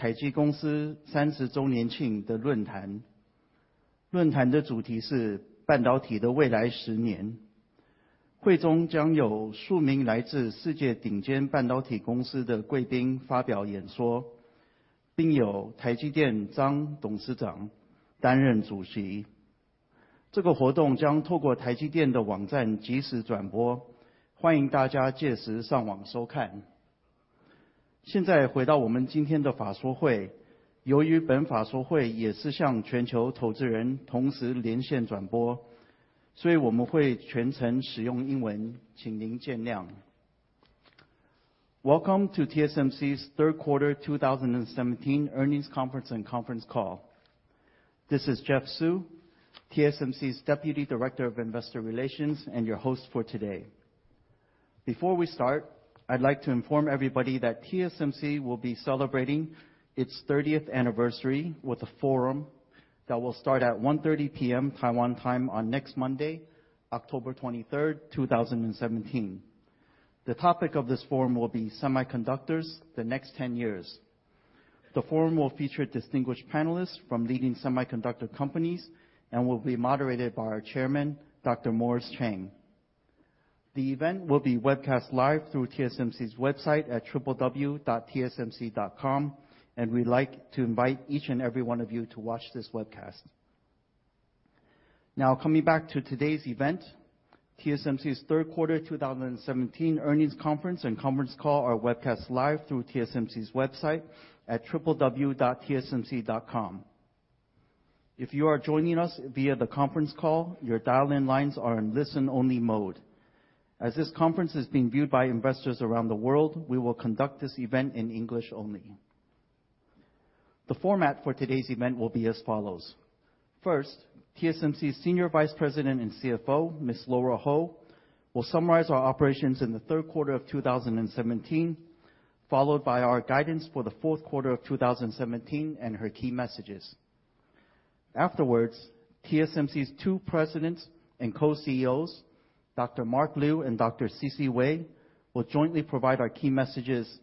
各位投资界及媒体的朋友们，大家午安。我是台积电法人关系处的苏智凯。欢迎您今天来参加我们2017年第三季的法人说明会。在我们法说会开始之前，让我先报告一则活动讯息。台积电即将于下星期10月23日下午1点半举行台积公司30周年庆的论坛，论坛的主题是半导体的未来十年。会中将有数名来自世界顶尖半导体公司的贵宾发表演说，并有台积电张董事长担任主席。这个活动将透过台积电的网站即时转播，欢迎大家届时上网收看。现在回到我们今天的法说会，由于本法说会也是向全球投资人同时连线转播，所以我们会全程使用英文，请您见谅。Welcome to TSMC's third quarter 2017 earnings conference and conference call. This is Jeff Su, TSMC’s Deputy Director of Investor Relations and your host for today. Before we start, I’d like to inform everybody that TSMC will be celebrating its 30th anniversary with a forum that will start at 1:30 P.M. Taiwan time on next Monday, October 23rd, 2017. The topic of this forum will be semiconductors: the next 10 years. The forum will feature distinguished panelists from leading semiconductor companies and will be moderated by our Chairman, Dr. Morris Chang. The event will be webcast live through TSMC’s website at www.tsmc.com. We’d like to invite each and every one of you to watch this webcast. Now, coming back to today’s event, TSMC’s third quarter 2017 earnings conference and conference call are webcast live through TSMC’s website at www.tsmc.com. If you are joining us via the conference call, your dial-in lines are in listen-only mode. As this conference is being viewed by investors around the world, we will conduct this event in English only. The format for today’s event will be as follows: first, TSMC’s Senior Vice President and CFO, Ms. Lora Ho, will summarize our operations in the third quarter of 2017, followed by our guidance for the fourth quarter of 2017 and her key messages. Afterwards, TSMC’s two Presidents and Co-CEOs, Dr. Mark Liu and Dr. C.C. Wei, will jointly provide our key messages.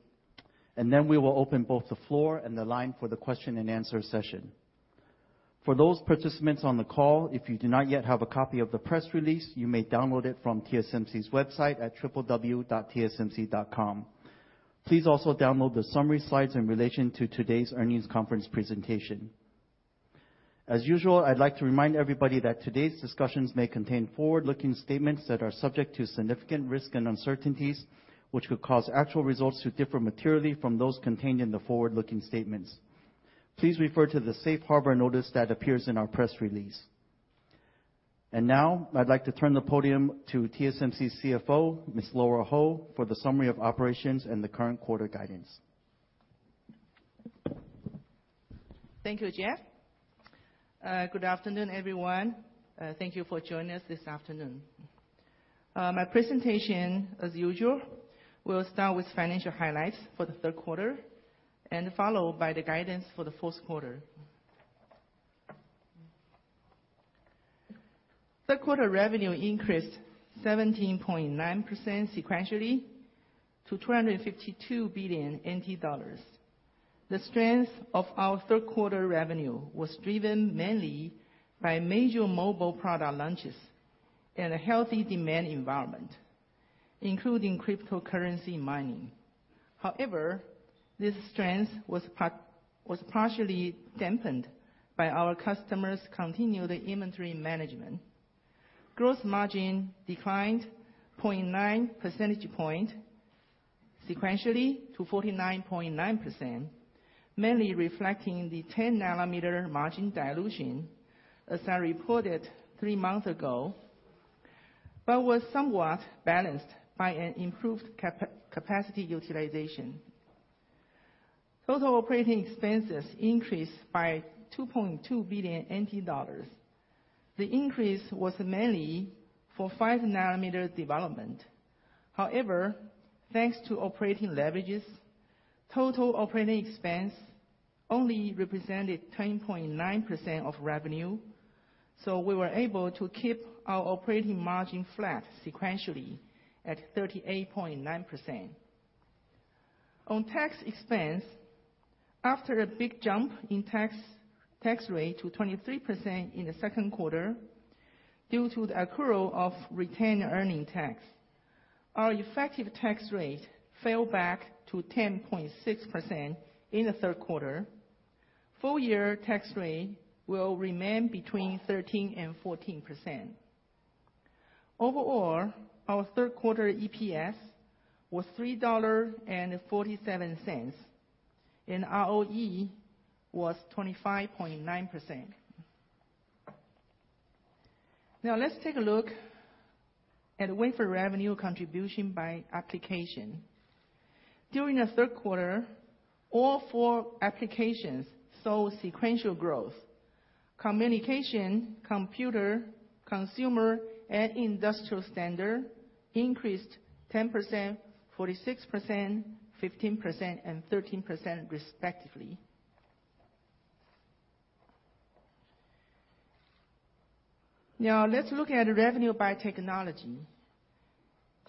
Then we will open both the floor and the line for the question and answer session. For those participants on the call, if you do not yet have a copy of the press release, you may download it from TSMC’s website at www.tsmc.com. Please also download the summary slides in relation to today’s earnings conference presentation. As usual, I’d like to remind everybody that today’s discussions may contain forward-looking statements that are subject to significant risk and uncertainties, which could cause actual results to differ materially from those contained in the forward-looking statements. Please refer to the safe harbor notice that appears in our press release. Now I’d like to turn the podium to TSMC’s CFO, Ms. Lora Ho, for the summary of operations and the current quarter guidance. Thank you, Jeff. Good afternoon, everyone. Thank you for joining us this afternoon. My presentation, as usual, we’ll start with financial highlights for the third quarter followed by the guidance for the fourth quarter. Third quarter revenue increased 17.9% sequentially to 252 billion NT dollars. The strength of our third quarter revenue was driven mainly by major mobile product launches and a healthy demand environment, including cryptocurrency mining. However, this strength was partially dampened by our customers’ continued inventory management. Gross margin declined 0.9 percentage point sequentially to 49.9%, mainly reflecting the 10 nanometer margin dilution, as I reported three months ago, but was somewhat balanced by an improved capacity utilization. Total operating expenses increased by 2.2 billion NT dollars. The increase was mainly for five nanometer development. Thanks to operating leverages, total operating expense only represented 10.9% of revenue, we were able to keep our operating margin flat sequentially at 38.9%. On tax expense, after a big jump in tax rate to 23% in the second quarter due to the accrual of retained earning tax, our effective tax rate fell back to 10.6% in the third quarter. Full year tax rate will remain between 13% and 14%. Overall, our third quarter EPS was 3.47 dollars and ROE was 25.9%. Let's take a look at wafer revenue contribution by application. During the third quarter, all four applications saw sequential growth. Communication, computer, consumer, and industrial standard increased 10%, 46%, 15%, and 13% respectively. Let's look at revenue by technology.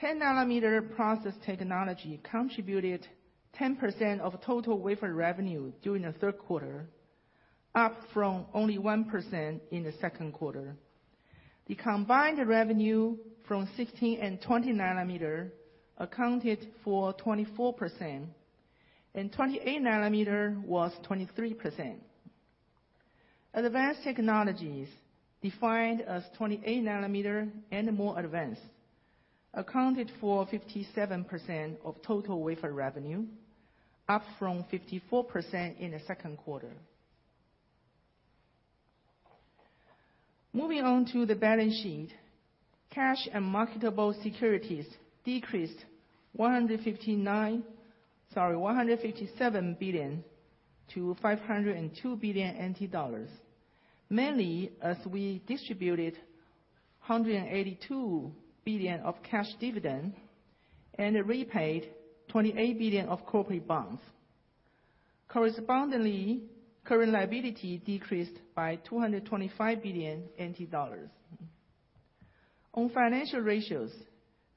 10 nanometer process technology contributed 10% of total wafer revenue during the third quarter, up from only 1% in the second quarter. The combined revenue from 16 and 20 nanometer accounted for 24%, and 28 nanometer was 23%. Advanced technologies, defined as 28 nanometer and more advanced, accounted for 57% of total wafer revenue, up from 54% in the second quarter. Moving on to the balance sheet. Cash and marketable securities decreased 157 billion to 502 billion NT dollars, mainly as we distributed 182 billion of cash dividend and repaid 28 billion of corporate bonds. Correspondingly, current liability decreased by 225 billion NT dollars. On financial ratios,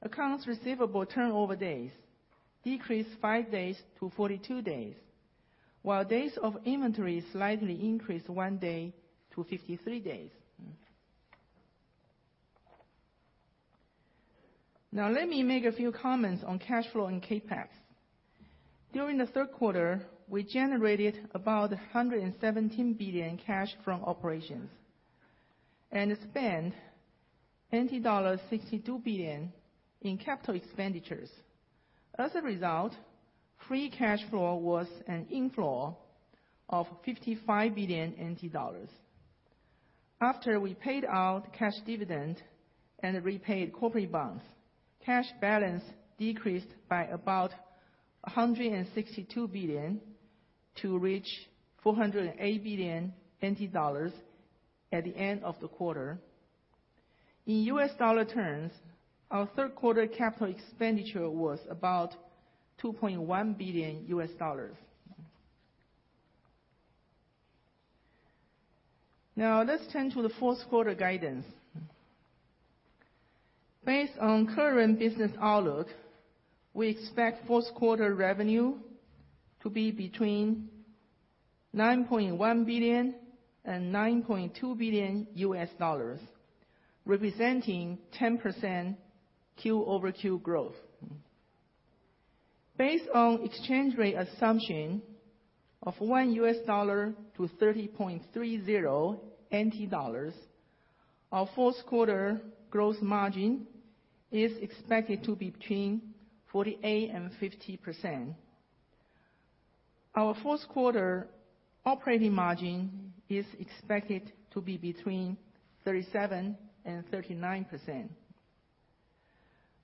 accounts receivable turnover days decreased five days to 42 days, while days of inventory slightly increased one day to 53 days. Let me make a few comments on cash flow and CapEx. During the third quarter, we generated about 117 billion cash from operations and spent 62 billion in capital expenditures. As a result, free cash flow was an inflow of 55 billion NT dollars. After we paid out cash dividend and repaid corporate bonds, cash balance decreased by about 162 billion to reach 408 billion NT dollars at the end of the quarter. In U.S. dollar terms, our third quarter capital expenditure was about $2.1 billion. Let's turn to the fourth quarter guidance. Based on current business outlook, we expect fourth quarter revenue to be between $9.1 billion and $9.2 billion, representing 10% quarter-over-quarter growth. Based on exchange rate assumption of $1 U.S. to 30.30 NT dollars, our fourth quarter gross margin is expected to be between 48% and 50%. Our fourth quarter operating margin is expected to be between 37% and 39%.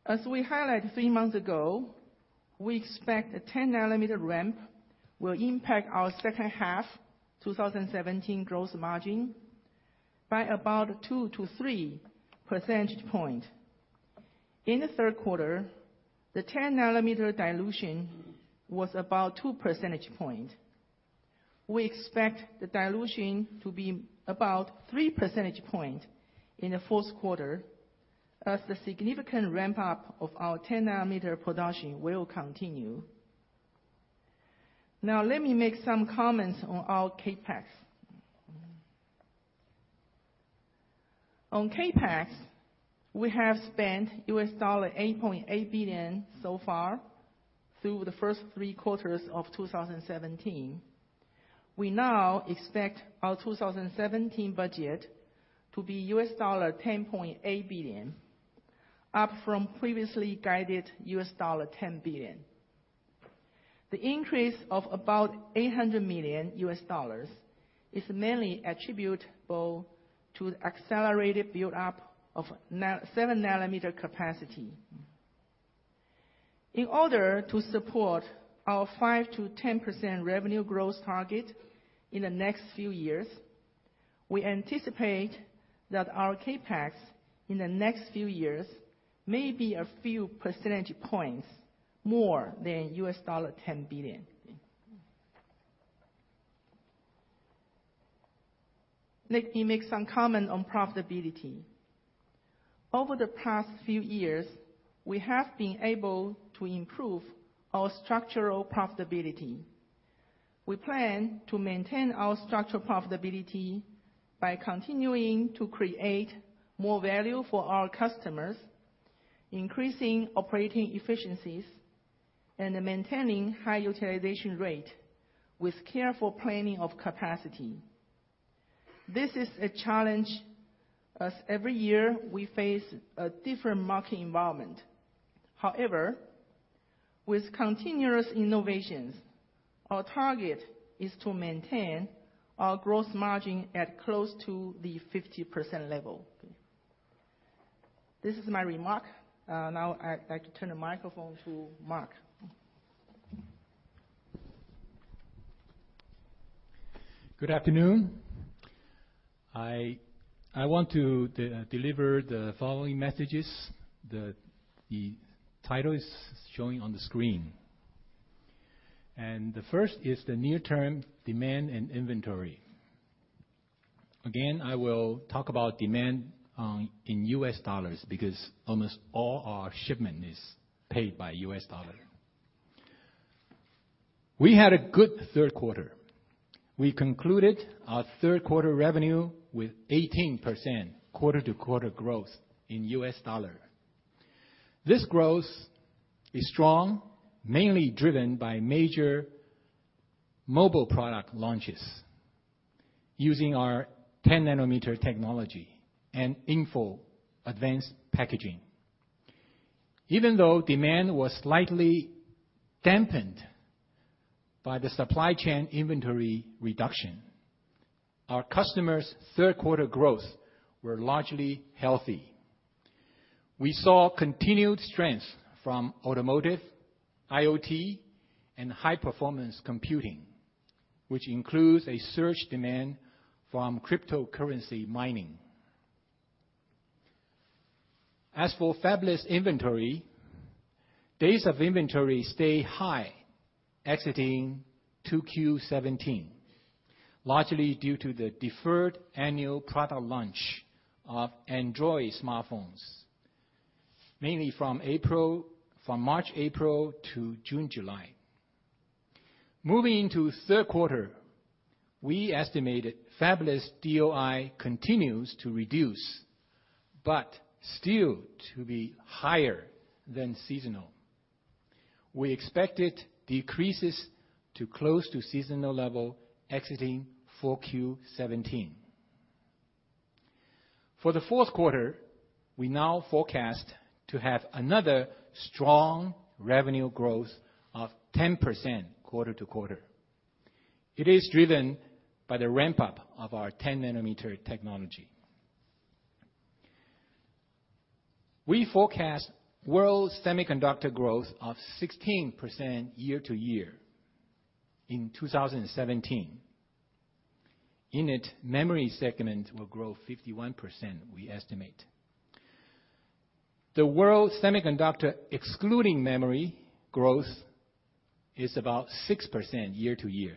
As we highlighted three months ago, we expect the 10 nanometer ramp will impact our second half 2017 growth margin by about two to three percentage point. In the third quarter, the 10 nanometer dilution was about two percentage point. We expect the dilution to be about three percentage point in the fourth quarter, as the significant ramp-up of our 10 nanometer production will continue. Let me make some comments on our CapEx. On CapEx, we have spent $8.8 billion so far through the first three quarters of 2017. We now expect our 2017 budget to be $10.8 billion, up from previously guided $10 billion. The increase of about $800 million is mainly attributable to the accelerated build-up of seven nanometer capacity. In order to support our 5% to 10% revenue growth target in the next few years, we anticipate that our CapEx in the next few years may be a few percentage points more than TWD 10 billion. Let me make some comment on profitability. Over the past few years, we have been able to improve our structural profitability. We plan to maintain our structural profitability by continuing to create more value for our customers, increasing operating efficiencies, and maintaining high utilization rate with careful planning of capacity. This is a challenge, as every year we face a different market environment. However, with continuous innovations, our target is to maintain our growth margin at close to the 50% level. This is my remark. Now I'd like to turn the microphone to Mark. Good afternoon. I want to deliver the following messages. The title is showing on the screen. The first is the near-term demand and inventory. Again, I will talk about demand in U.S. dollars because almost all our shipment is paid by U.S. dollar. We had a good third quarter. We concluded our third quarter revenue with 18% quarter-to-quarter growth in U.S. dollar. This growth is strong, mainly driven by major mobile product launches using our 10 nanometer technology and InFO advanced packaging. Even though demand was slightly dampened by the supply chain inventory reduction, our customers' third quarter growth were largely healthy. We saw continued strength from automotive, IoT, and high-performance computing, which includes a surge demand from cryptocurrency mining. As for fabless inventory, days of inventory stay high exiting 2Q 2017, largely due to the deferred annual product launch of Android smartphones, mainly from March, April to June, July. Moving into the third quarter, we estimated fabless DOI continues to reduce, but still to be higher than seasonal. We expect it decreases to close to seasonal level exiting 4Q 2017. For the fourth quarter, we now forecast to have another strong revenue growth of 10% quarter-to-quarter. It is driven by the ramp-up of our 10 nanometer technology. We forecast world semiconductor growth of 16% year-to-year in 2017. In it, memory segment will grow 51%, we estimate. The world semiconductor, excluding memory growth, is about 6% year-to-year.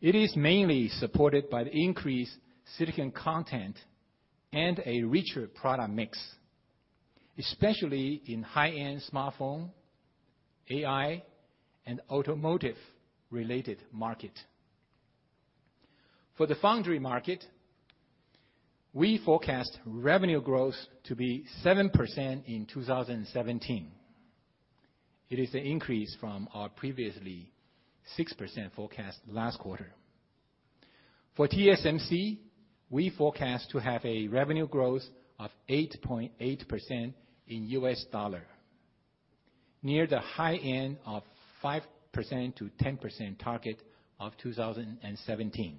It is mainly supported by the increased silicon content and a richer product mix, especially in high-end smartphone, AI, and automotive-related market. For the foundry market, we forecast revenue growth to be 7% in 2017. It is an increase from our previously 6% forecast last quarter. For TSMC, we forecast to have a revenue growth of 8.8% in U.S. dollar, near the high end of 5%-10% target of 2017.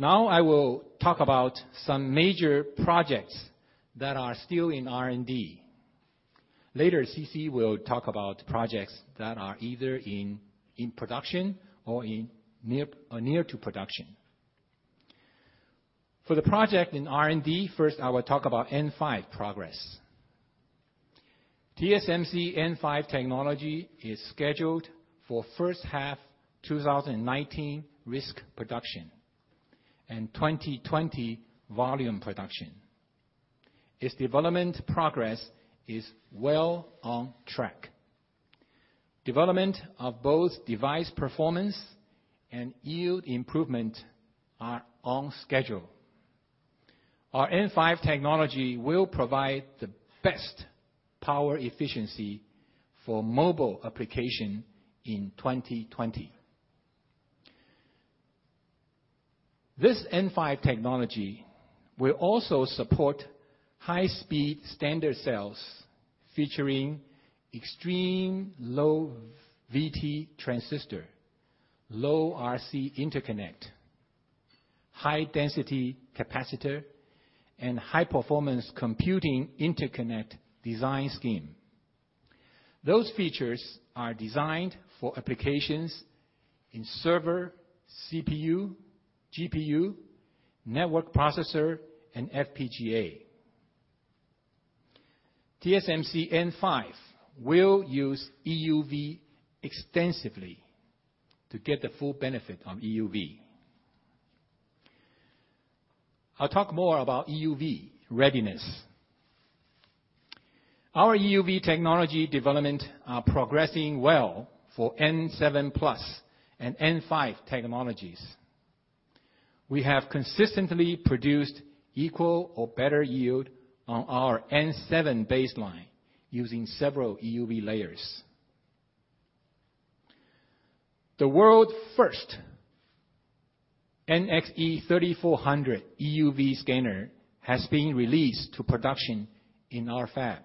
Now I will talk about some major projects that are still in R&D. Later, C.C. will talk about projects that are either in production or near to production. For the project in R&D, first, I will talk about N5 progress. TSMC N5 technology is scheduled for first half 2019 risk production and 2020 volume production. Its development progress is well on track. Development of both device performance and yield improvement are on schedule. Our N5 technology will provide the best power efficiency for mobile application in 2020. This N5 technology will also support high-speed standard cells featuring extreme low Vt transistor, low RC interconnect, high density capacitor, and high-performance computing interconnect design scheme. Those features are designed for applications in server, CPU, GPU, network processor, and FPGA. TSMC N5 will use EUV extensively to get the full benefit of EUV. I will talk more about EUV readiness. Our EUV technology development are progressing well for N7+ and N5 technologies. We have consistently produced equal or better yield on our N7 baseline using several EUV layers. The world's first NXE 3400 EUV scanner has been released to production in our fab,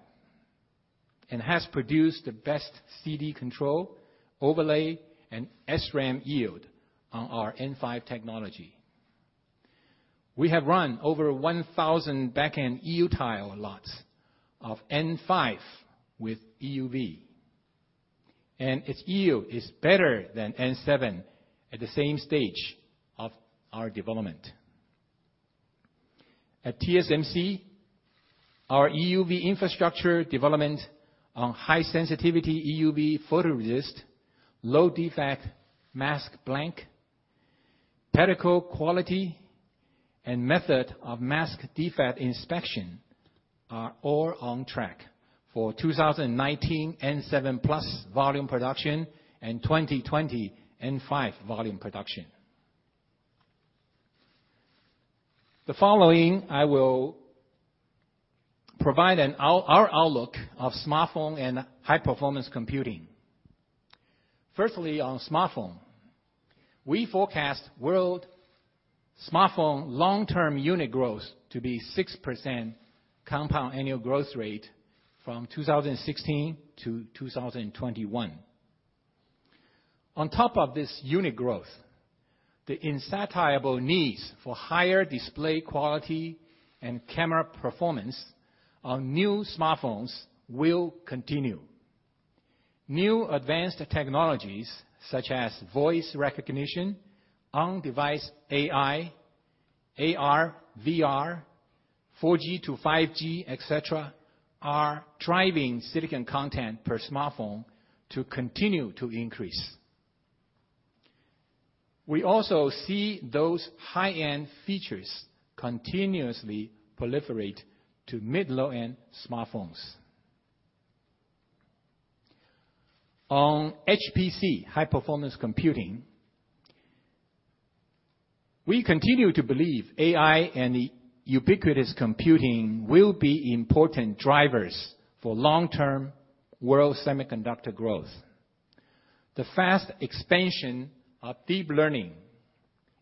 and has produced the best CD control, overlay, and SRAM yield on our N5 technology. We have run over 1,000 backend EUV tile lots of N5 with EUV, and its EUV is better than N7 at the same stage of our development. At TSMC, our EUV infrastructure development on high sensitivity EUV photoresist, low defect mask blank, pellicle quality, and method of mask defect inspection are all on track for 2019 N7+ volume production and 2020 N5 volume production. The following, I will provide our outlook of smartphone and high-performance computing. Firstly, on smartphone, we forecast world smartphone long-term unit growth to be 6% compound annual growth rate from 2016 to 2021. On top of this unit growth, the insatiable needs for higher display quality and camera performance on new smartphones will continue. New advanced technologies such as voice recognition, on-device AI, AR, VR, 4G to 5G, et cetera, are driving silicon content per smartphone to continue to increase. We also see those high-end features continuously proliferate to mid-low-end smartphones. On HPC, high-performance computing, we continue to believe AI and ubiquitous computing will be important drivers for long-term world semiconductor growth. The fast expansion of deep learning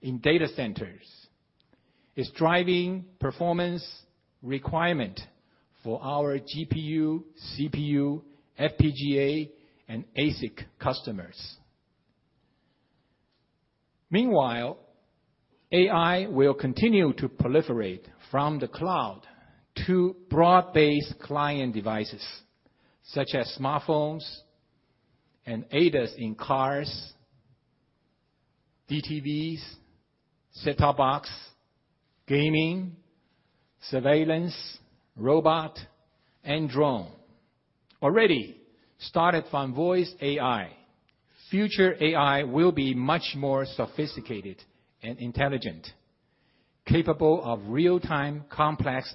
in data centers is driving performance requirement for our GPU, CPU, FPGA, and ASIC customers. Meanwhile, AI will continue to proliferate from the cloud to broad-based client devices, such as smartphones and ADAS in cars, DTVs, set-top box, gaming, surveillance, robot, and drone. Already started from voice AI, future AI will be much more sophisticated and intelligent, capable of real-time complex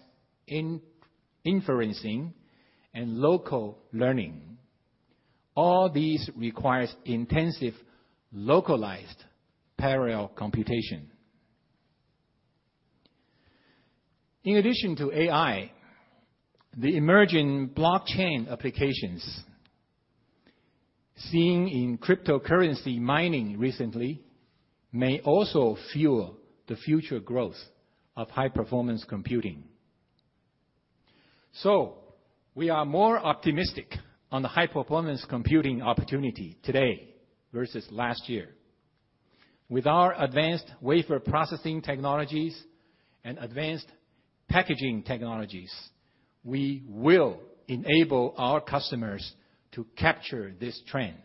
inferencing and local learning. All these requires intensive, localized parallel computation. In addition to AI, the emerging blockchain applications seen in cryptocurrency mining recently may also fuel the future growth of high-performance computing. We are more optimistic on the high-performance computing opportunity today versus last year. With our advanced wafer processing technologies and advanced packaging technologies, we will enable our customers to capture this trend.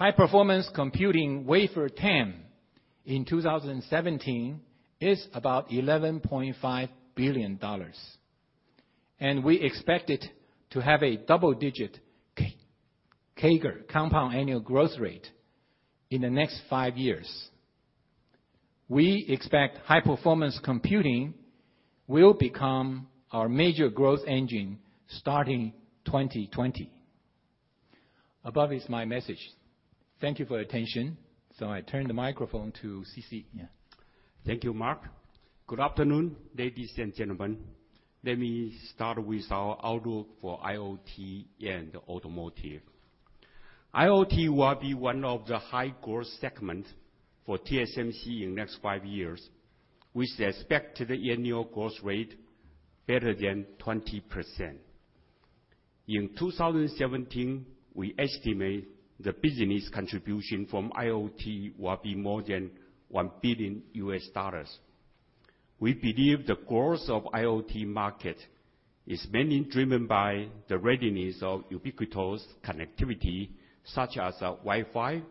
High-performance computing wafer TAM in 2017 is about $11.5 billion. We expect it to have a double-digit CAGR, compound annual growth rate, in the next five years. We expect high-performance computing will become our major growth engine starting 2020. Above is my message. Thank you for attention. I turn the microphone to C.C. Wei. Yeah. Thank you, Mark. Good afternoon, ladies and gentlemen. Let me start with our outlook for IoT and automotive. IoT will be one of the high-growth segments for TSMC in next five years, with expected annual growth rate better than 20%. In 2017, we estimate the business contribution from IoT will be more than $1 billion U.S. dollars. We believe the growth of IoT market is mainly driven by the readiness of ubiquitous connectivity, such as Wi-Fi,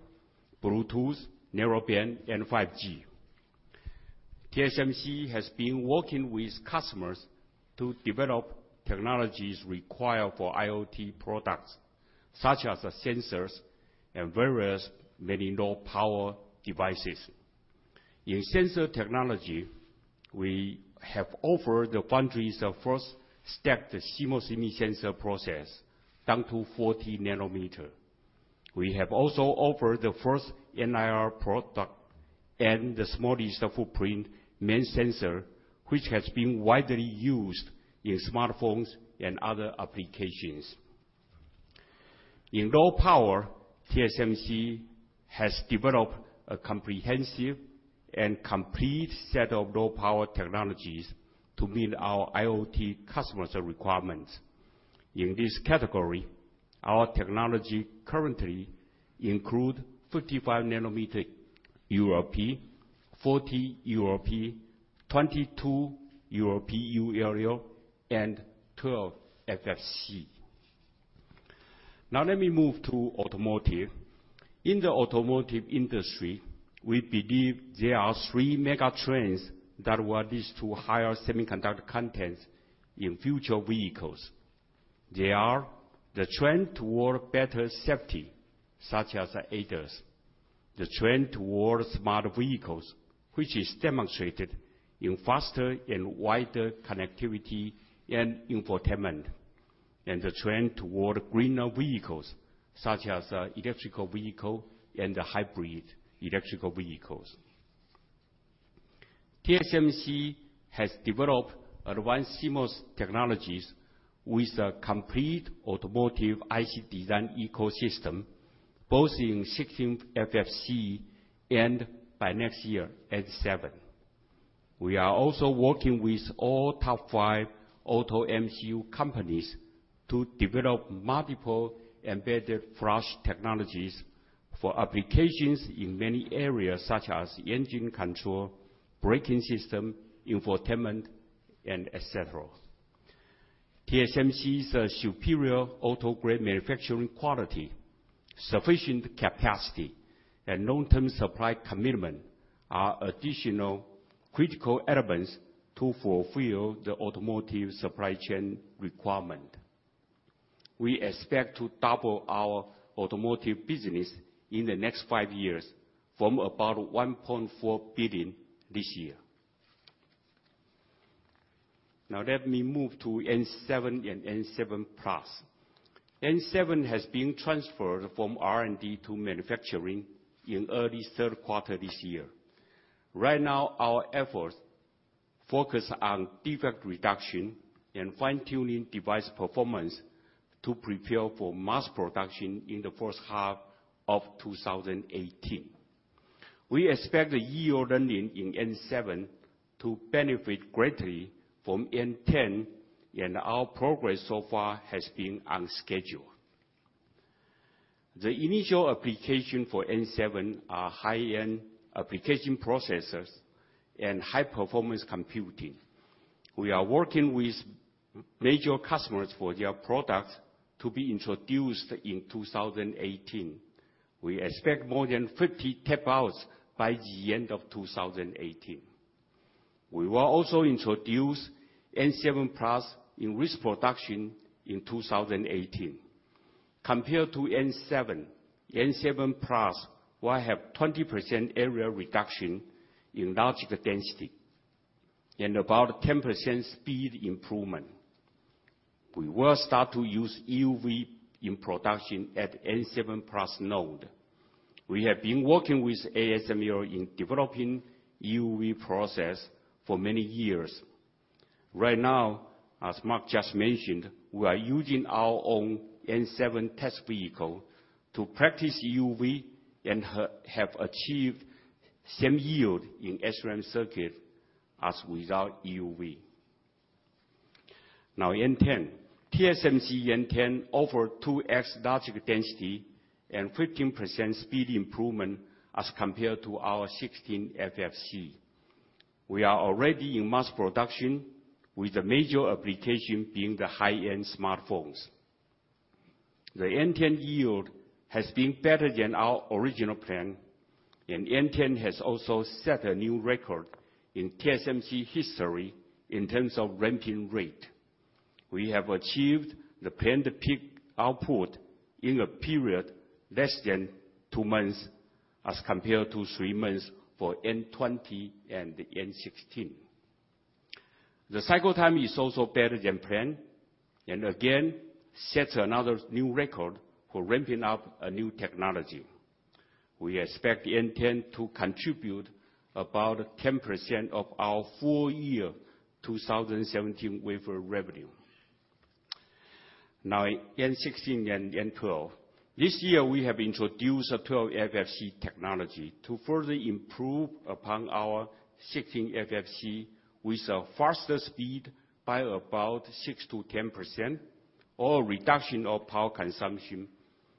Bluetooth, Narrowband, and 5G. TSMC has been working with customers to develop technologies required for IoT products, such as sensors and various many low-power devices. In sensor technology, we have offered the foundry's first stacked CMOS image sensor process down to 40 nanometer. We have also offered the first NIR product And the smallest footprint MEMS sensor, which has been widely used in smartphones and other applications. In low power, TSMC has developed a comprehensive and complete set of low power technologies to meet our IoT customers' requirements. In this category, our technology currently include 55nm ULP, 40 ULP, 22ULP, and 12 FFC. Let me move to automotive. In the automotive industry, we believe there are three mega trends that will lead to higher semiconductor contents in future vehicles. They are the trend toward better safety, such as ADAS. The trend toward smart vehicles, which is demonstrated in faster and wider connectivity and infotainment. The trend toward greener vehicles, such as electrical vehicle and the hybrid electrical vehicles. TSMC has developed advanced CMOS technologies with a complete automotive IC design ecosystem, both in 16 FFC and by next year, N7. We are also working with all top five auto MCU companies to develop multiple embedded flash technologies for applications in many areas such as engine control, braking system, infotainment, and et cetera. TSMC's superior auto-grade manufacturing quality, sufficient capacity, and long-term supply commitment are additional critical elements to fulfill the automotive supply chain requirement. We expect to double our automotive business in the next five years, from about $1.4 billion this year. Let me move to N7 and N7+. N7 has been transferred from R&D to manufacturing in early third quarter this year. Right now, our efforts focus on defect reduction and fine-tuning device performance to prepare for mass production in the first half of 2018. We expect the yield learning in N7 to benefit greatly from N10, and our progress so far has been on schedule. The initial application for N7 are high-end application processors and high-performance computing. We are working with major customers for their products to be introduced in 2018. We expect more than 50 tape-outs by the end of 2018. We will also introduce N7+ in risk production in 2018. Compared to N7+ will have 20% area reduction in logic density and about 10% speed improvement. We will start to use EUV in production at N7+ node. We have been working with ASML in developing EUV process for many years. Right now, as Mark just mentioned, we are using our own N7 test vehicle to practice EUV, and have achieved same yield in SRAM circuit as without EUV. N10. TSMC N10 offer 2X logic density and 15% speed improvement as compared to our 16 FFC. We are already in mass production with the major application being the high-end smartphones. The N10 yield has been better than our original plan, and N10 has also set a new record in TSMC history in terms of ramping rate. We have achieved the planned peak output in a period less than two months as compared to three months for N20 and N16. The cycle time is also better than planned, and again, sets another new record for ramping up a new technology. We expect N10 to contribute about 10% of our full year 2017 wafer revenue. N16 and N12. This year we have introduced a 12 FFC technology to further improve upon our 16 FFC with a faster speed by about 6%-10%, or a reduction of power consumption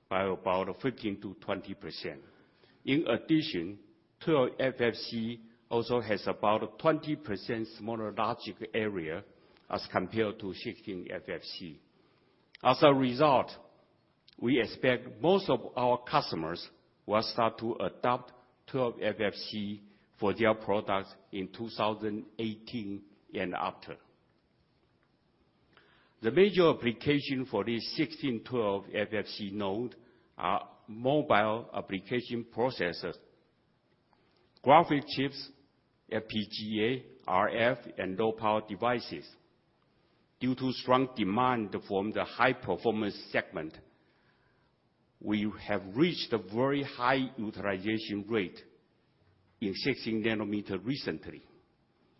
by about 15%-20%. 12 FFC also has about 20% smaller logic area as compared to 16 FFC. We expect most of our customers will start to adopt 12 FFC for their products in 2018 and after. The major application for this 16, 12 FFC node are mobile application processors, graphic chips, FPGA, RF, and low-power devices. Due to strong demand from the high-performance segment, we have reached a very high utilization rate in 16 nanometer recently,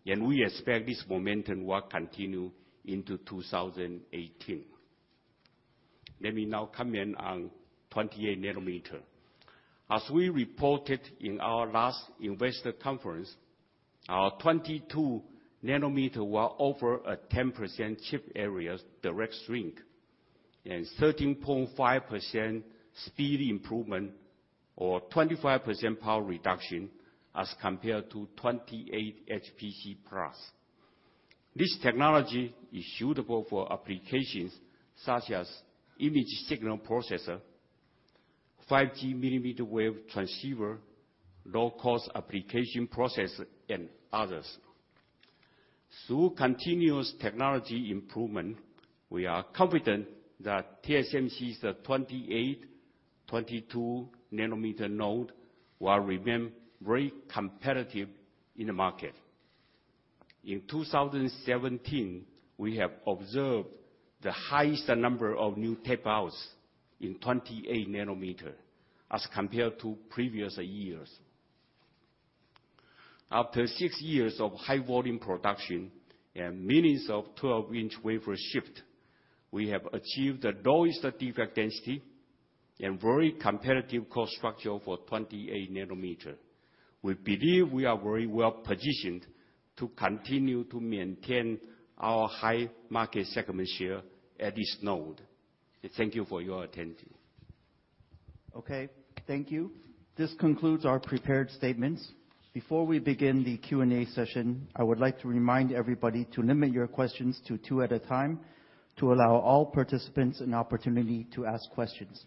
and we expect this momentum will continue into 2018. Let me comment on 28 nanometer. As we reported in our last investor conference, our 22 nanometer will offer a 10% chip areas direct shrink and 13.5% speed improvement or 25% power reduction as compared to 28HPC+. This technology is suitable for applications such as image signal processor, 5G millimeter wave transceiver, low-cost application processor, and others. Through continuous technology improvement, we are confident that TSMC's 28, 22 nanometer node will remain very competitive in the market. In 2017, we have observed the highest number of new tape-outs in 28 nanometer as compared to previous years. After six years of high volume production and millions of 12-inch wafer shipped, we have achieved the lowest defect density and very competitive cost structure for 28 nanometer. We believe we are very well positioned to continue to maintain our high market segment share at this node. Thank you for your attention. Okay, thank you. This concludes our prepared statements. Before we begin the Q&A session, I would like to remind everybody to limit your questions to two at a time to allow all participants an opportunity to ask questions.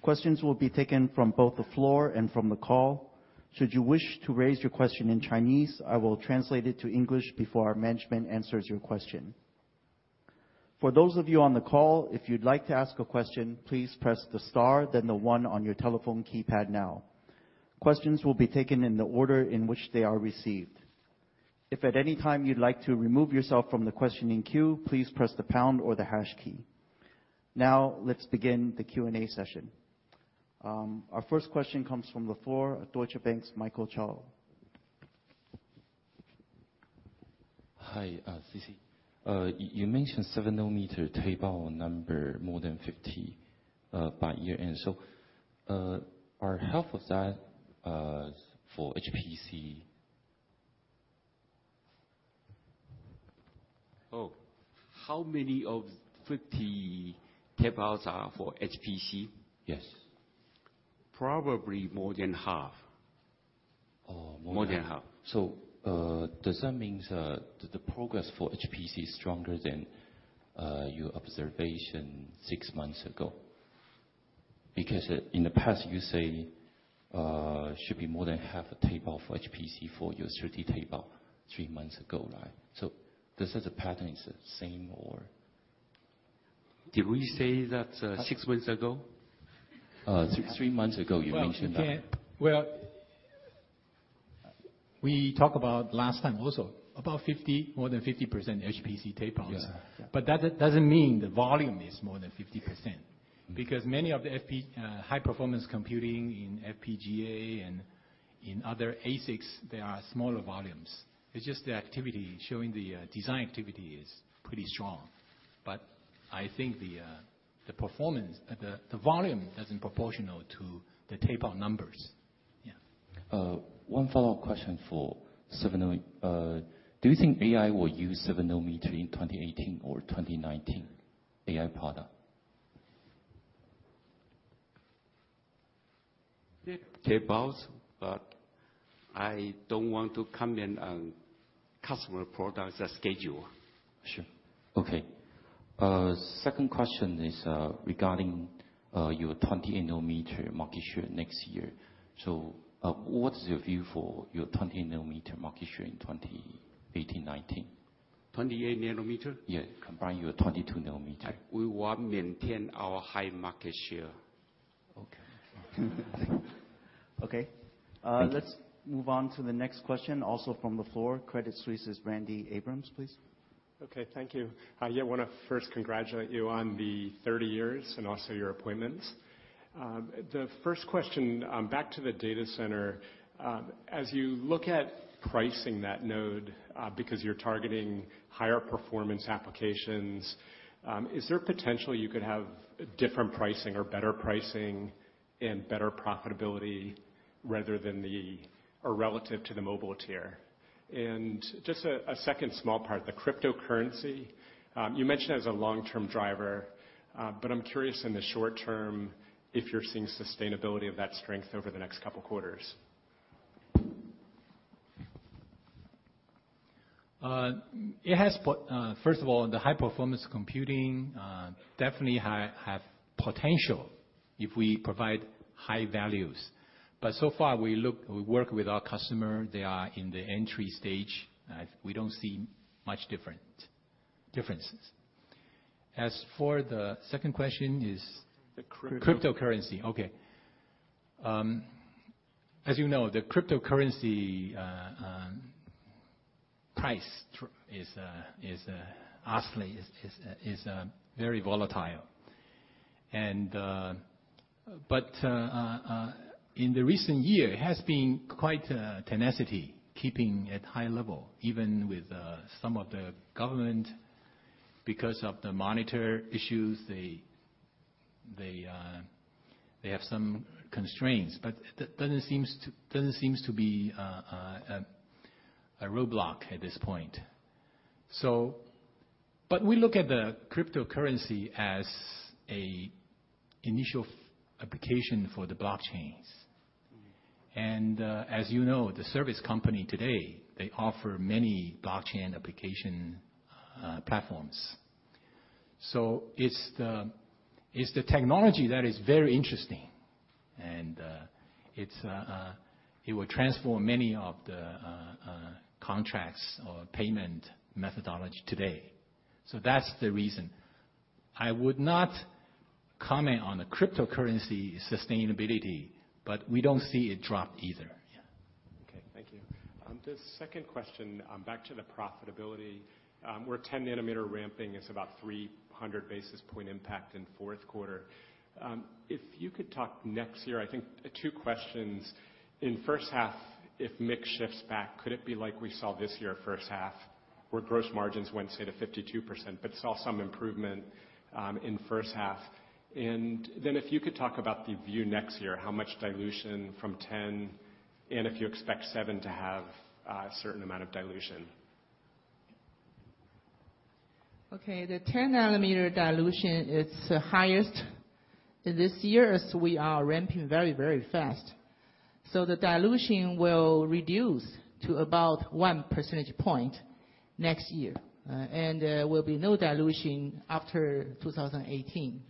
Questions will be taken from both the floor and from the call. Should you wish to raise your question in Chinese, I will translate it to English before management answers your question. For those of you on the call, if you'd like to ask a question, please press the star then the one on your telephone keypad now. Questions will be taken in the order in which they are received. If at any time you'd like to remove yourself from the questioning queue, please press the pound or the hash key. Let's begin the Q&A session. Our first question comes from the floor, Deutsche Bank's Michael Chou. Hi, C.C. You mentioned 7nm tape out number more than 50 by year end. Are half of that for HPC? How many of 50 tape outs are for HPC? Yes. Probably more than half. More than half. More than half. Does that mean the progress for HPC is stronger than your observation six months ago? In the past, you say should be more than half tape out for HPC for your 30 tape out three months ago, right? This as a pattern is the same or Did we say that six months ago? Three months ago, you mentioned that. Well, we talk about last time also, about 50, more than 50% HPC tape outs. Yeah. That doesn't mean the volume is more than 50%, because many of the high performance computing in FPGA and in other ASICs, they are smaller volumes. It's just the activity showing the design activity is pretty strong. I think the volume isn't proportional to the tape out numbers. Yeah. One follow-up question for seven. Do you think AI will use seven nanometer in 2018 or 2019? AI product. Tape outs, I don't want to comment on customer products or schedule. Sure. Okay. Second question is regarding your 28 nanometer market share next year. What is your view for your 28 nanometer market share in 2018-2019? 28 nanometer? Yeah. Combine your 22 nanometer. We will maintain our high market share. Okay. Okay. Thank you. Let's move on to the next question also from the floor, Credit Suisse's Randy Abrams, please. Okay, thank you. I want to first congratulate you on the 30 years and also your appointments. The first question, back to the data center. As you look at pricing that node, because you're targeting higher performance applications, is there potential you could have different pricing or better pricing and better profitability rather than the or relative to the mobile tier? Just a second small part, the cryptocurrency. You mentioned as a long-term driver, I'm curious in the short term if you're seeing sustainability of that strength over the next couple quarters. First of all, the high performance computing definitely have potential if we provide high values. So far, we work with our customer, they are in the entry stage. We don't see much differences. As for the second question is- The crypto. Cryptocurrency. Okay. As you know, the cryptocurrency price is honestly very volatile. In the recent year, it has been quite tenacity, keeping at high level, even with some of the government, because of the monitor issues, they have some constraints. That doesn't seem to be a roadblock at this point. We look at the cryptocurrency as initial application for the blockchains. As you know, the service company today, they offer many blockchain application platforms. It's the technology that is very interesting, and it will transform many of the contracts or payment methodology today. That's the reason. I would not comment on the cryptocurrency sustainability, but we don't see it drop either. Yeah. Okay. Thank you. The second question, back to the profitability, where 10 nanometer ramping is about 300 basis point impact in fourth quarter. If you could talk next year, I think two questions. In first half, if mix shifts back, could it be like we saw this year first half, where gross margins went, say, to 52%, but saw some improvement in first half? If you could talk about the view next year, how much dilution from 10, and if you expect 7 to have a certain amount of dilution. Okay, the 10 nanometer dilution, it's highest this year as we are ramping very fast. The dilution will reduce to about one percentage point next year, and there will be no dilution after 2018.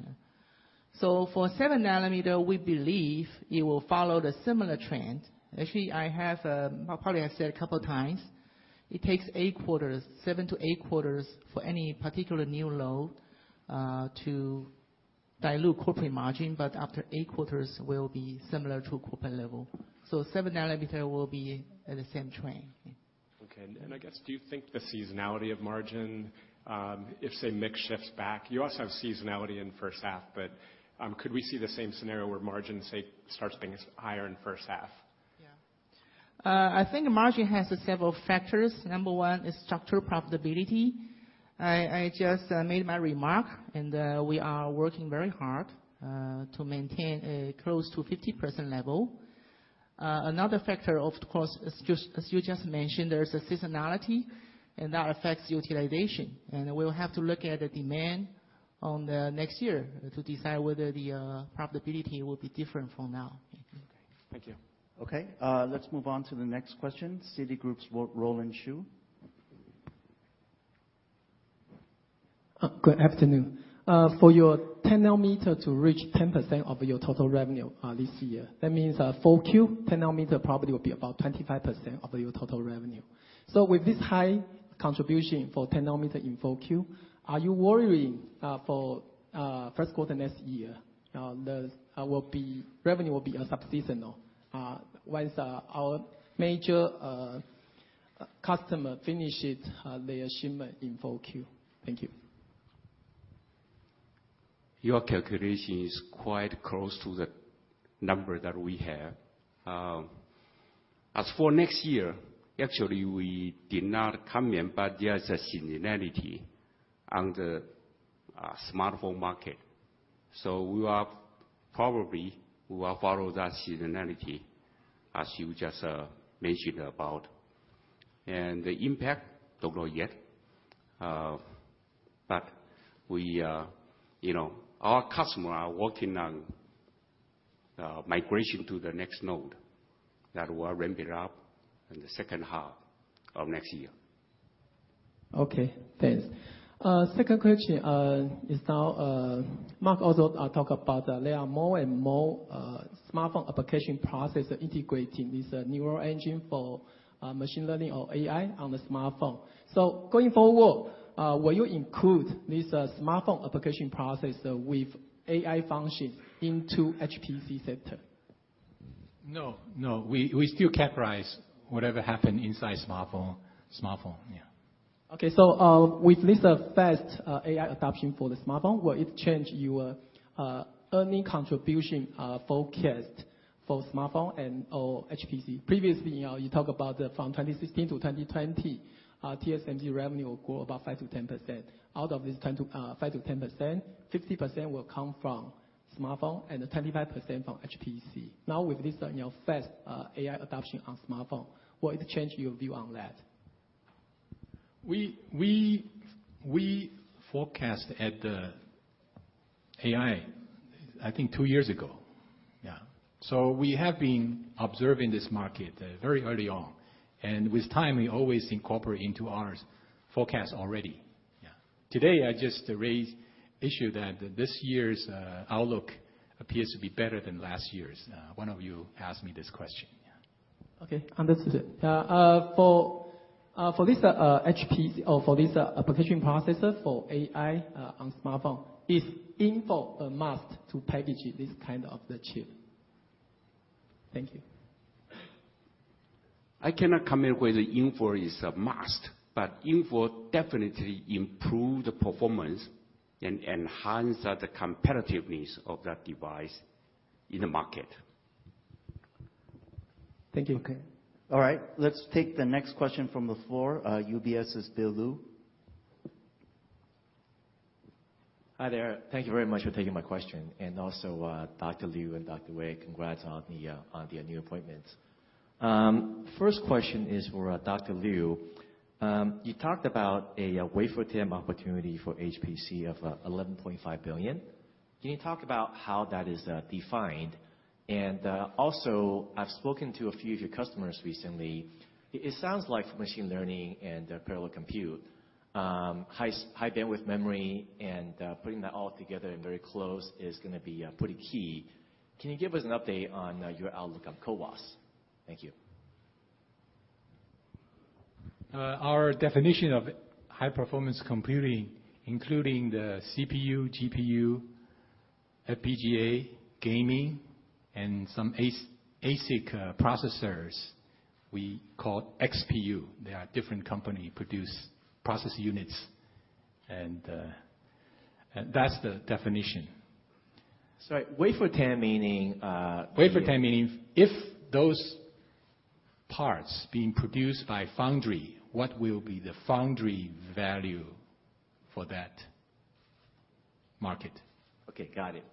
For seven nanometer, we believe it will follow the similar trend. Actually, it takes eight quarters, seven to eight quarters, for any particular new node, to dilute corporate margin, but after eight quarters will be similar to corporate level. Seven nanometer will be the same trend. Yeah. Okay. I guess, do you think the seasonality of margin, if, say, mix shifts back, you also have seasonality in first half, could we see the same scenario where margin, say, starts being higher in first half? Yeah. I think margin has several factors. Number one is structural profitability. I just made my remark, we are working very hard to maintain close to 50% level. Another factor, of course, as you just mentioned, there is a seasonality, that affects utilization. We'll have to look at the demand on the next year to decide whether the profitability will be different from now. Okay. Thank you. Okay. Let's move on to the next question, Citigroup's Roland Shu. Good afternoon. For your 10 nanometer to reach 10% of your total revenue this year, that means 4Q, 10 nanometer probably will be about 25% of your total revenue. With this high contribution for 10 nanometer in 4Q, are you worrying for first quarter next year? Revenue will be sub-seasonal once our major customer finishes their shipment in 4Q. Thank you. Your calculation is quite close to the number that we have. As for next year, actually, we did not comment, but there's a seasonality on the smartphone market. We will probably follow that seasonality, as you just mentioned about. The impact, don't know yet. Our customer are working on migration to the next node that will ramp it up in the second half of next year. Okay, thanks. Second question is now, Mark also talk about there are more and more smartphone application processor integrating this neural engine for machine learning or AI on the smartphone. Going forward, will you include this smartphone application processor with AI function into HPC sector? No. We still capitalize whatever happen inside smartphone. Yeah. Okay. With this fast AI adoption for the smartphone, will it change your earning contribution forecast for smartphone or HPC? Previously, you talked about from 2016 to 2020, TSMC revenue will grow about 5%-10%. Out of this 5%-10%, 50% will come from smartphone and then 25% from HPC. Now with this fast AI adoption on smartphone, will it change your view on that? We forecast at the AI, I think two years ago. Yeah. We have been observing this market very early on. With time, we always incorporate into our forecast already. Yeah. Today, I just raised issue that this year's outlook appears to be better than last year's. One of you asked me this question. Yeah. Okay. Understood. For this application processor for AI on smartphone, is InFO a must to package this kind of the chip? Thank you. I cannot commit whether InFO is a must, but InFO definitely improve the performance and enhance the competitiveness of that device in the market. Thank you. Okay. All right, let's take the next question from the floor. UBS's Bill Lu. Hi there. Thank you very much for taking my question. Also, Dr. Liu and Dr. Wei, congrats on the new appointments. First question is for Dr. Liu. You talked about a wafer TAM opportunity for HPC of 11.5 billion. Can you talk about how that is defined? Also, I've spoken to a few of your customers recently. It sounds like machine learning and parallel compute, high bandwidth memory and putting that all together and very close is going to be pretty key. Can you give us an update on your outlook on CoWoS? Thank you. Our definition of high performance computing, including the CPU, GPU, FPGA, gaming, and some ASIC processors, we call XPU. There are different company produce process units, that's the definition. Sorry, wafer TAM meaning, Wafer TAM meaning if those parts being produced by foundry, what will be the foundry value for that market? Okay, got it.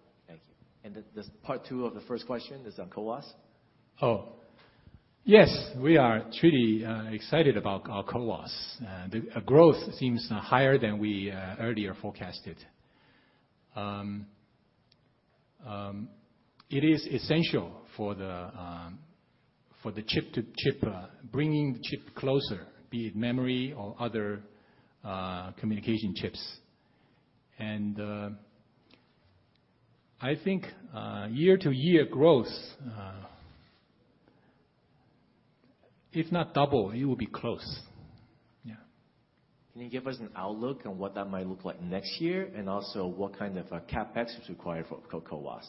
Thank you. The part two of the first question is on CoWoS. Yes, we are truly excited about our CoWoS. The growth seems higher than we earlier forecasted. It is essential for the chip-to-chip, bringing the chip closer, be it memory or other communication chips. I think year-to-year growth if not double, it will be close. Can you give us an outlook on what that might look like next year, and also what kind of CapEx is required for CoWoS?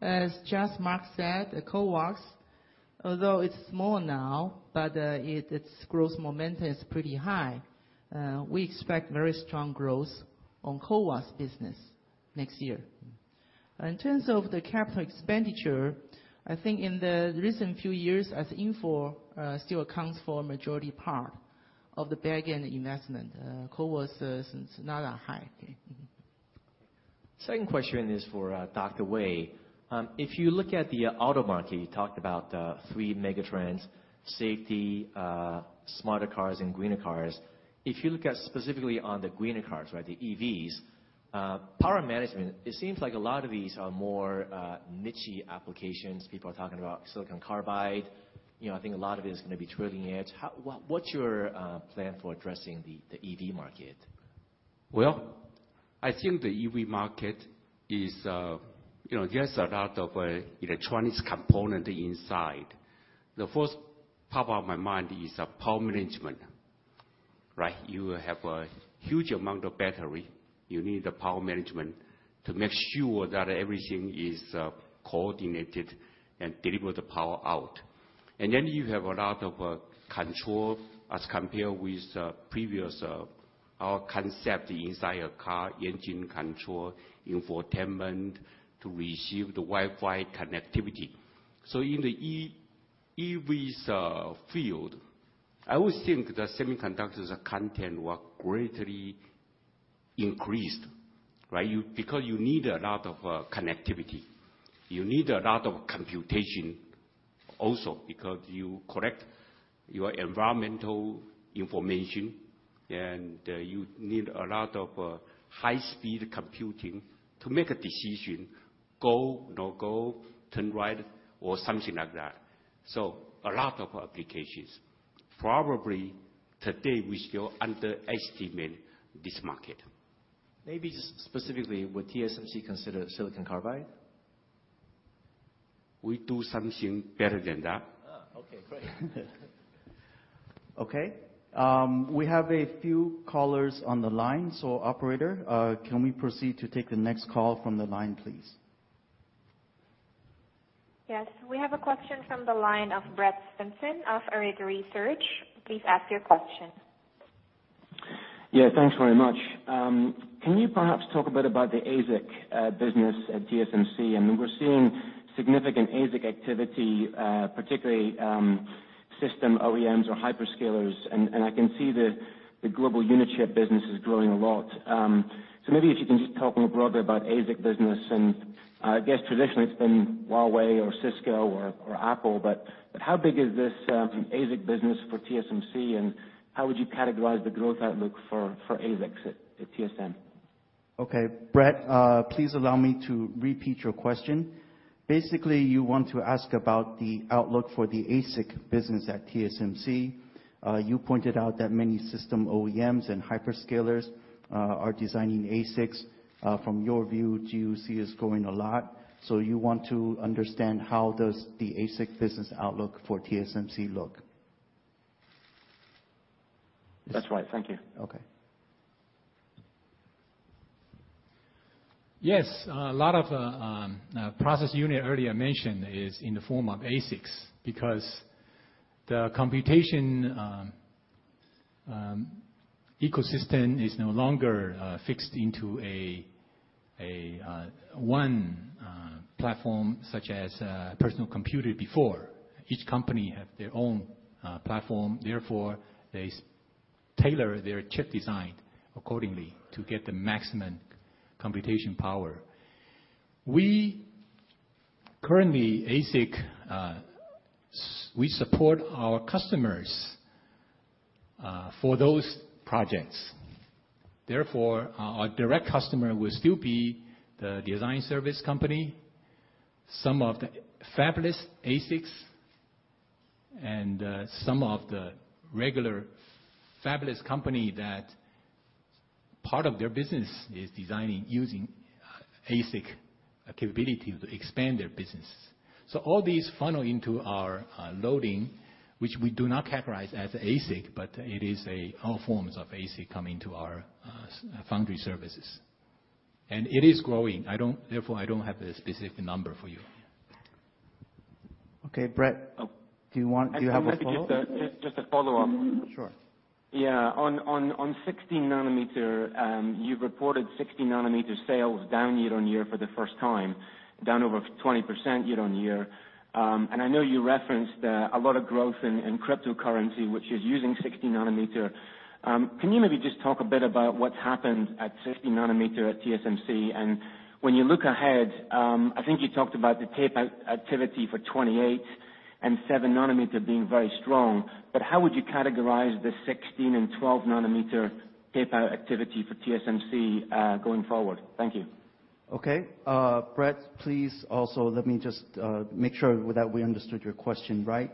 As just Mark said, CoWoS, although it's small now, but its growth momentum is pretty high. We expect very strong growth on CoWoS business next year. In terms of the capital expenditure, I think in the recent few years as InFO still accounts for majority part of the back-end investment, CoWoS is not that high. Second question is for Dr. Wei. If you look at the auto market, you talked about three megatrends: safety, smarter cars, and greener cars. If you look at specifically on the greener cars, right, the EVs, power management, it seems like a lot of these are more niche applications. People are talking about silicon carbide. I think a lot of it is going to be trailing edge. What's your plan for addressing the EV market? Well, I think the EV market. There's a lot of electronics component inside. The first top of my mind is a power management, right? You have a huge amount of battery. You need the power management to make sure that everything is coordinated and deliver the power out. Then you have a lot of control as compared with previous, our concept inside a car, engine control, infotainment, to receive the Wi-Fi connectivity. In the EV's field, I always think the semiconductors content were greatly increased, right? Because you need a lot of connectivity. You need a lot of computation also because you collect your environmental information and you need a lot of high-speed computing to make a decision, go, no go, turn right, or something like that. A lot of applications. Probably today, we still underestimate this market. Maybe just specifically, would TSMC consider silicon carbide? We do something better than that. Okay, great. Okay. We have a few callers on the line. Operator, can we proceed to take the next call from the line, please? Yes. We have a question from the line of Brett Simpson of Arete Research. Please ask your question. Thanks very much. Can you perhaps talk a bit about the ASIC business at TSMC? I mean, we're seeing significant ASIC activity, particularly, system OEMs or hyperscalers, and I can see the GUC business is growing a lot. Maybe if you can just talk more broadly about ASIC business, and I guess traditionally it's been Huawei or Cisco or Apple, but how big is this ASIC business for TSMC, and how would you categorize the growth outlook for ASICs at TSMC? Okay. Brett, please allow me to repeat your question. You want to ask about the outlook for the ASIC business at TSMC. You pointed out that many system OEMs and hyperscalers are designing ASICs. From your view, GUC is growing a lot, you want to understand how does the ASIC business outlook for TSMC look? That's right. Thank you. Okay. Yes. A lot of process unit earlier mentioned is in the form of ASICs, because the computation ecosystem is no longer fixed into one platform such as personal computer before. Each company have their own platform, therefore, they tailor their chip design accordingly to get the maximum computation power. We currently we support our customers for those projects. Therefore, our direct customer will still be the design service company, some of the fabless ASICs, and some of the regular fabless company that part of their business is designing using ASIC capability to expand their business. All these funnel into our loading, which we do not characterize as ASIC, but it is all forms of ASIC coming to our foundry services. It is growing. Therefore, I don't have the specific number for you. Okay. Brett, do you have a follow-up? Just a follow-up. Sure. Yeah. On 16 nanometer, you've reported 16 nanometer sales down year-on-year for the first time, down over 20% year-on-year. I know you referenced a lot of growth in cryptocurrency, which is using 16 nanometer. Can you maybe just talk a bit about what's happened at 16 nanometer at TSMC? When you look ahead, I think you talked about the tapeout activity for 28 and seven nanometer being very strong. How would you categorize the 16 and 12 nanometer tapeout activity for TSMC going forward? Thank you. Okay. Brett, please also let me just make sure that we understood your question right.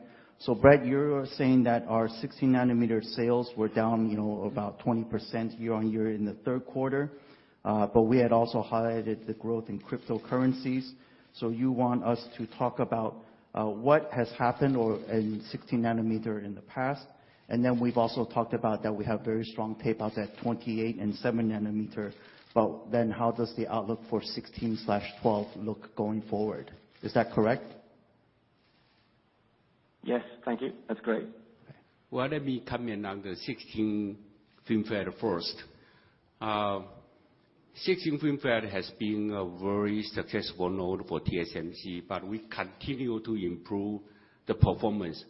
Brett, you're saying that our 16 nanometer sales were down about 20% year-on-year in the third quarter. We had also highlighted the growth in cryptocurrencies. You want us to talk about what has happened in 16 nanometer in the past, we've also talked about that we have very strong tapeouts at 28 and seven nanometer, how does the outlook for 16/12 look going forward? Is that correct? Yes. Thank you. That's great. Okay. Why don't we come in on the 16 FinFET first. 16 FinFET has been a very successful node for TSMC, but we continue to improve the performance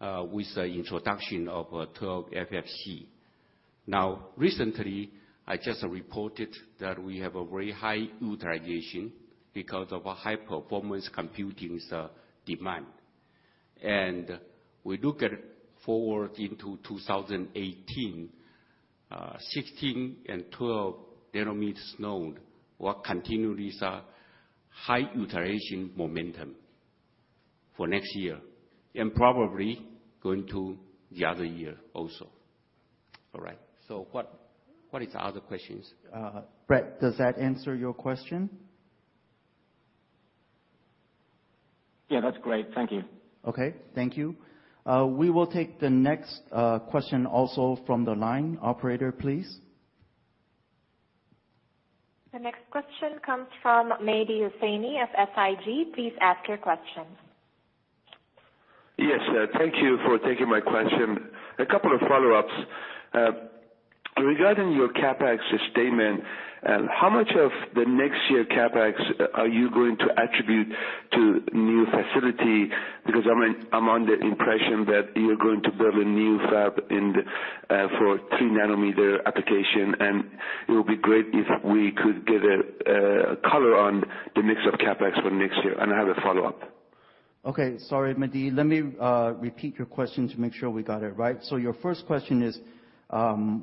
with the introduction of 12 FFC. Now, recently, I just reported that we have a very high utilization because of a high-performance computing demand. We look at forward into 2018, 16 and 12 nanometers node will continue this high utilization momentum for next year, and probably going to the other year also. All right. What is the other questions? Brett, does that answer your question? Yeah, that's great. Thank you. Okay. Thank you. We will take the next question also from the line. Operator, please. The next question comes from Mehdi Hosseini of SIG. Please ask your question. Yes. Thank you for taking my question. A couple of follow-ups. Regarding your CapEx statement, how much of the next year CapEx are you going to attribute to new facility? Because I'm under impression that you're going to build a new fab for 3nm application, and it would be great if we could get a color on the mix of CapEx for next year. I have a follow-up. Okay. Sorry, Mehdi, let me repeat your question to make sure we got it right. Your first question is,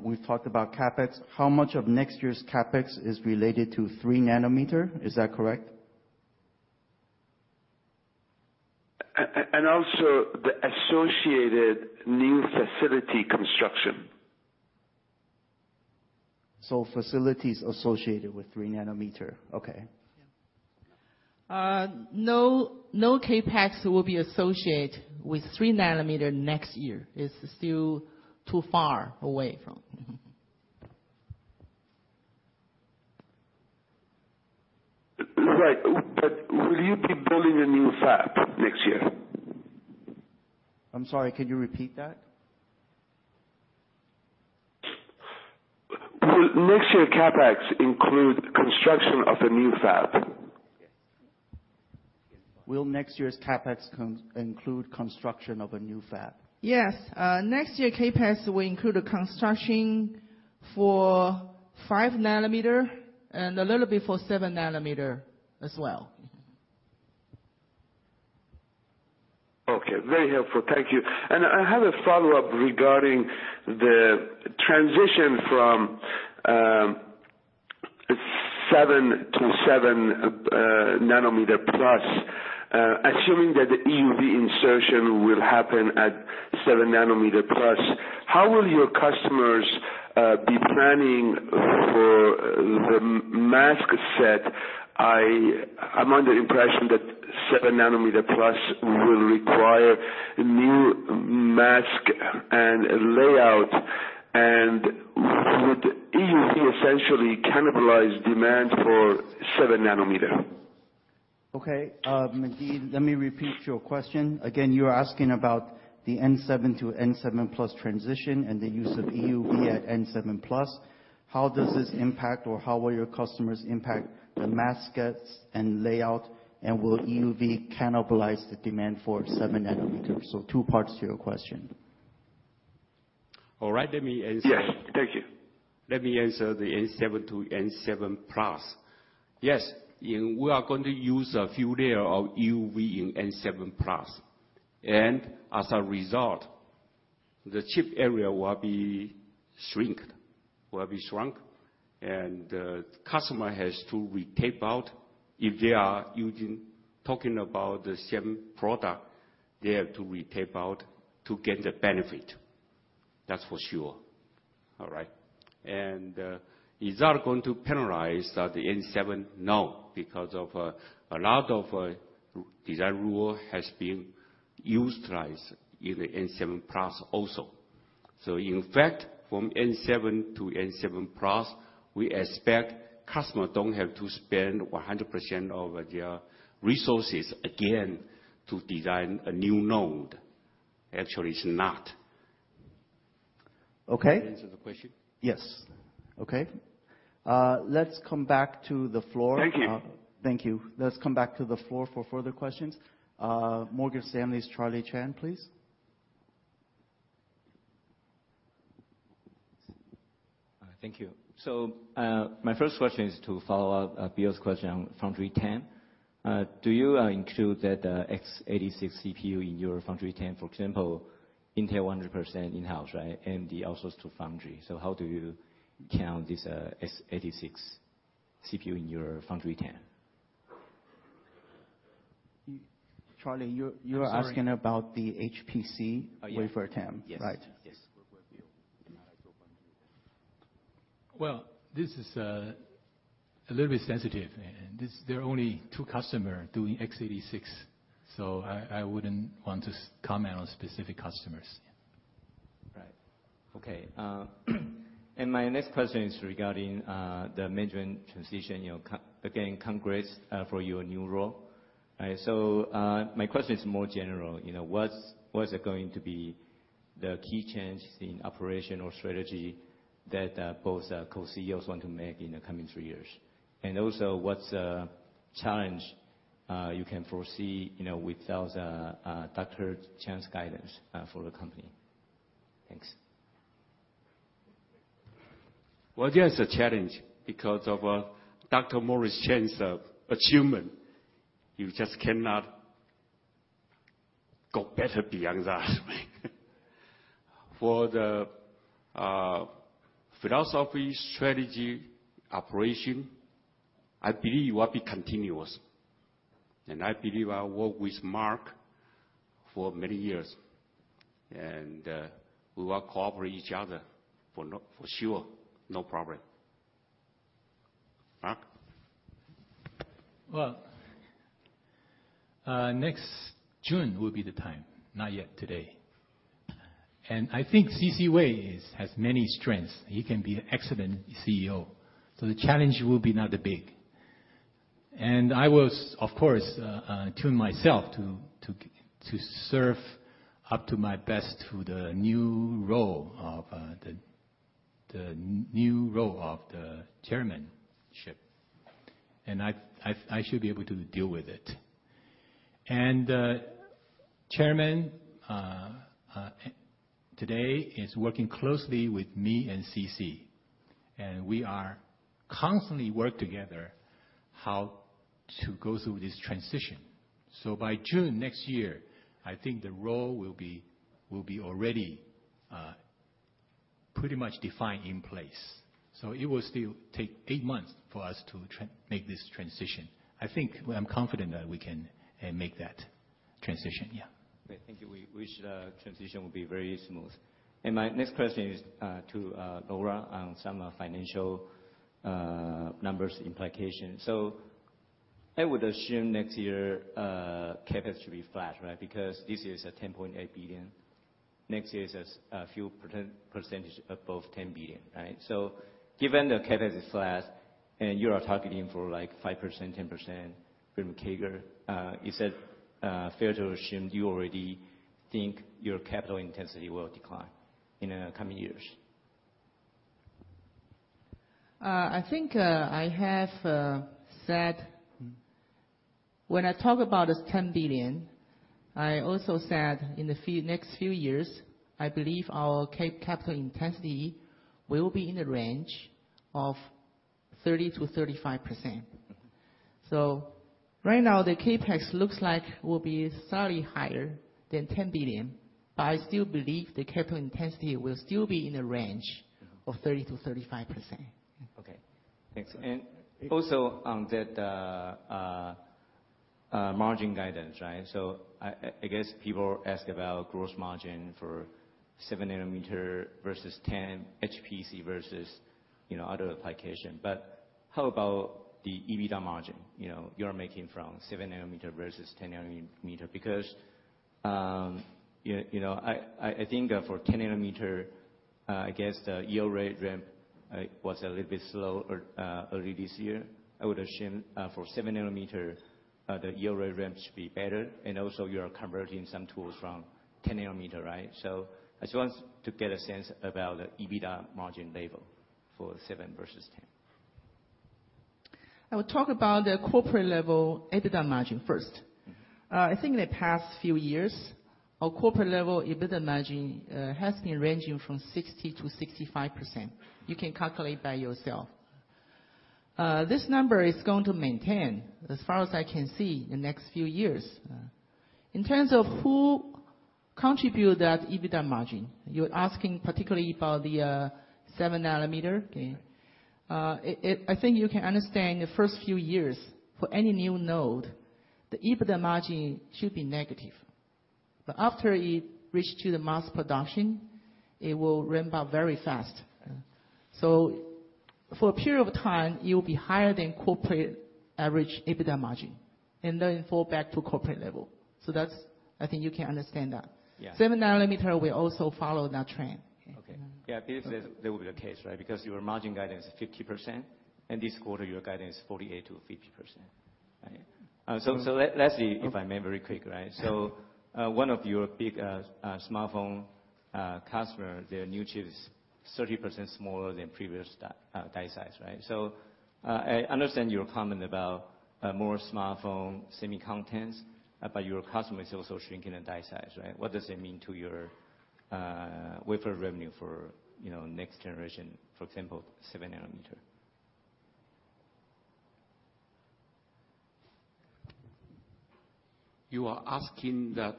we've talked about CapEx. How much of next year's CapEx is related to 3nm? Is that correct? Also the associated new facility construction. Facilities associated with 3nm. Okay. No CapEx will be associated with 3nm next year. It's still too far away from. Right. Will you be building a new fab next year? I'm sorry, could you repeat that? Will next year CapEx include construction of a new fab? Will next year's CapEx include construction of a new fab? Yes. Next year CapEx will include a construction for 5nm and a little bit for 7nm as well. Okay. Very helpful. Thank you. I have a follow-up regarding the transition from 7nm to N7+. Assuming that the EUV insertion will happen at N7+, how will your customers be planning for the mask set, I'm under impression that N7+ will require new mask and layout. Would EUV essentially cannibalize demand for 7nm? Okay. Mehdi, let me repeat your question. Again, you're asking about the N7 to N7+ transition and the use of EUV at N7+. How does this impact or how will your customers impact the mask sets and layout, will EUV cannibalize the demand for 7nm? Two parts to your question. All right, let me answer. Yes. Thank you. Let me answer the N7 to N7+. Yes, we are going to use a few layer of EUV in N7+. As a result, the chip area will be shrunk. The customer has to re-tape out. If they are talking about the same product, they have to re-tape out to get the benefit. That's for sure. All right? Is that going to penalize the N7? No, because of a lot of design rule has been utilized in the N7+ also. In fact, from N7 to N7+, we expect customer don't have to spend 100% of their resources again to design a new node. Actually, it's not. Okay. Does that answer the question? Yes. Okay. Let's come back to the floor. Thank you. Thank you. Let's come back to the floor for further questions. Morgan Stanley's Charlie Chan, please. Thank you. My first question is to follow up Bill's question on foundry TAM. Do you include that x86 CPU in your foundry TAM, for example, Intel 100% in-house, right, and they outsource to foundry. How do you count this x86 CPU in your foundry TAM? Charlie, you're asking. I'm sorry. about the HPC. Oh, yeah. Wafer 10, right? Yes. Yes. Well, this is a little bit sensitive. There are only two customers doing x86. I wouldn't want to comment on specific customers. Right. Okay. My next question is regarding the management transition. Again, congrats for your new role. My question is more general. What's going to be the key changes in operation or strategy that both co-CEOs want to make in the coming three years? Also, what's a challenge you can foresee without Dr. Chang's guidance for the company? Thanks. Well, there's a challenge because of Dr. Morris Chang's achievement. You just cannot go better beyond that. For the philosophy, strategy, operation, I believe will be continuous. I believe I work with Mark for many years, and we will cooperate with each other for sure, no problem. Mark? Well, next June will be the time, not yet today. I think C.C. Wei has many strengths. He can be an excellent CEO. The challenge will be not that big. I will, of course, tune myself to serve up to my best to the new role of the chairmanship, and I should be able to deal with it. Chairman today is working closely with me and C.C., and we are constantly work together how to go through this transition. By June next year, I think the role will be already pretty much defined in place. It will still take eight months for us to make this transition. I think, I'm confident that we can make that transition, yeah. Okay. Thank you. We wish the transition will be very smooth. My next question is to Lora on some financial numbers implication. I would assume next year, CapEx should be flat, right? Because this year is $10.8 billion. Next year is a few percentage above $10 billion, right? Given the CapEx is flat and you are targeting for 5%-10% revenue CAGR, is that fair to assume you already think your capital intensity will decline in the coming years? I think I have said when I talk about this $10 billion, I also said in the next few years, I believe our capital intensity will be in the range of 30%-35%. Right now, the CapEx looks like will be slightly higher than $10 billion, but I still believe the capital intensity will still be in the range of 30%-35%. Okay, thanks. Margin guidance, right? I guess people ask about gross margin for 7 nanometer versus 10 HPC versus other application. How about the EBITDA margin you're making from 7 nanometer versus 10 nanometer? I think for 10 nanometer, I guess the yield rate ramp was a little bit slow early this year. I would assume for 7 nanometer, the yield rate ramp should be better. You are converting some tools from 10 nanometer, right? I just want to get a sense about the EBITDA margin level for 7 versus 10. I will talk about the corporate level EBITDA margin first. I think in the past few years, our corporate level EBITDA margin has been ranging from 60%-65%. You can calculate by yourself. This number is going to maintain, as far as I can see, the next few years. In terms of who contribute that EBITDA margin, you're asking particularly about the 7 nanometer? Yeah. I think you can understand the first few years for any new node, the EBITDA margin should be negative. After it reach to the mass production, it will ramp up very fast. For a period of time, it will be higher than corporate average EBITDA margin, and then fall back to corporate level. I think you can understand that. Yeah. 7 nanometer will also follow that trend. Okay. Yeah. This will be the case, right? Because your margin guidance is 50%, and this quarter your guidance is 48%-50%, right? Lastly, if I may, very quick, right? One of your big smartphone customer, their new chip is 30% smaller than previous die size. I understand your comment about more smartphone semi contents, but your customer is also shrinking the die size, right? What does it mean to your wafer revenue for next generation, for example, 7 nanometer? You are asking that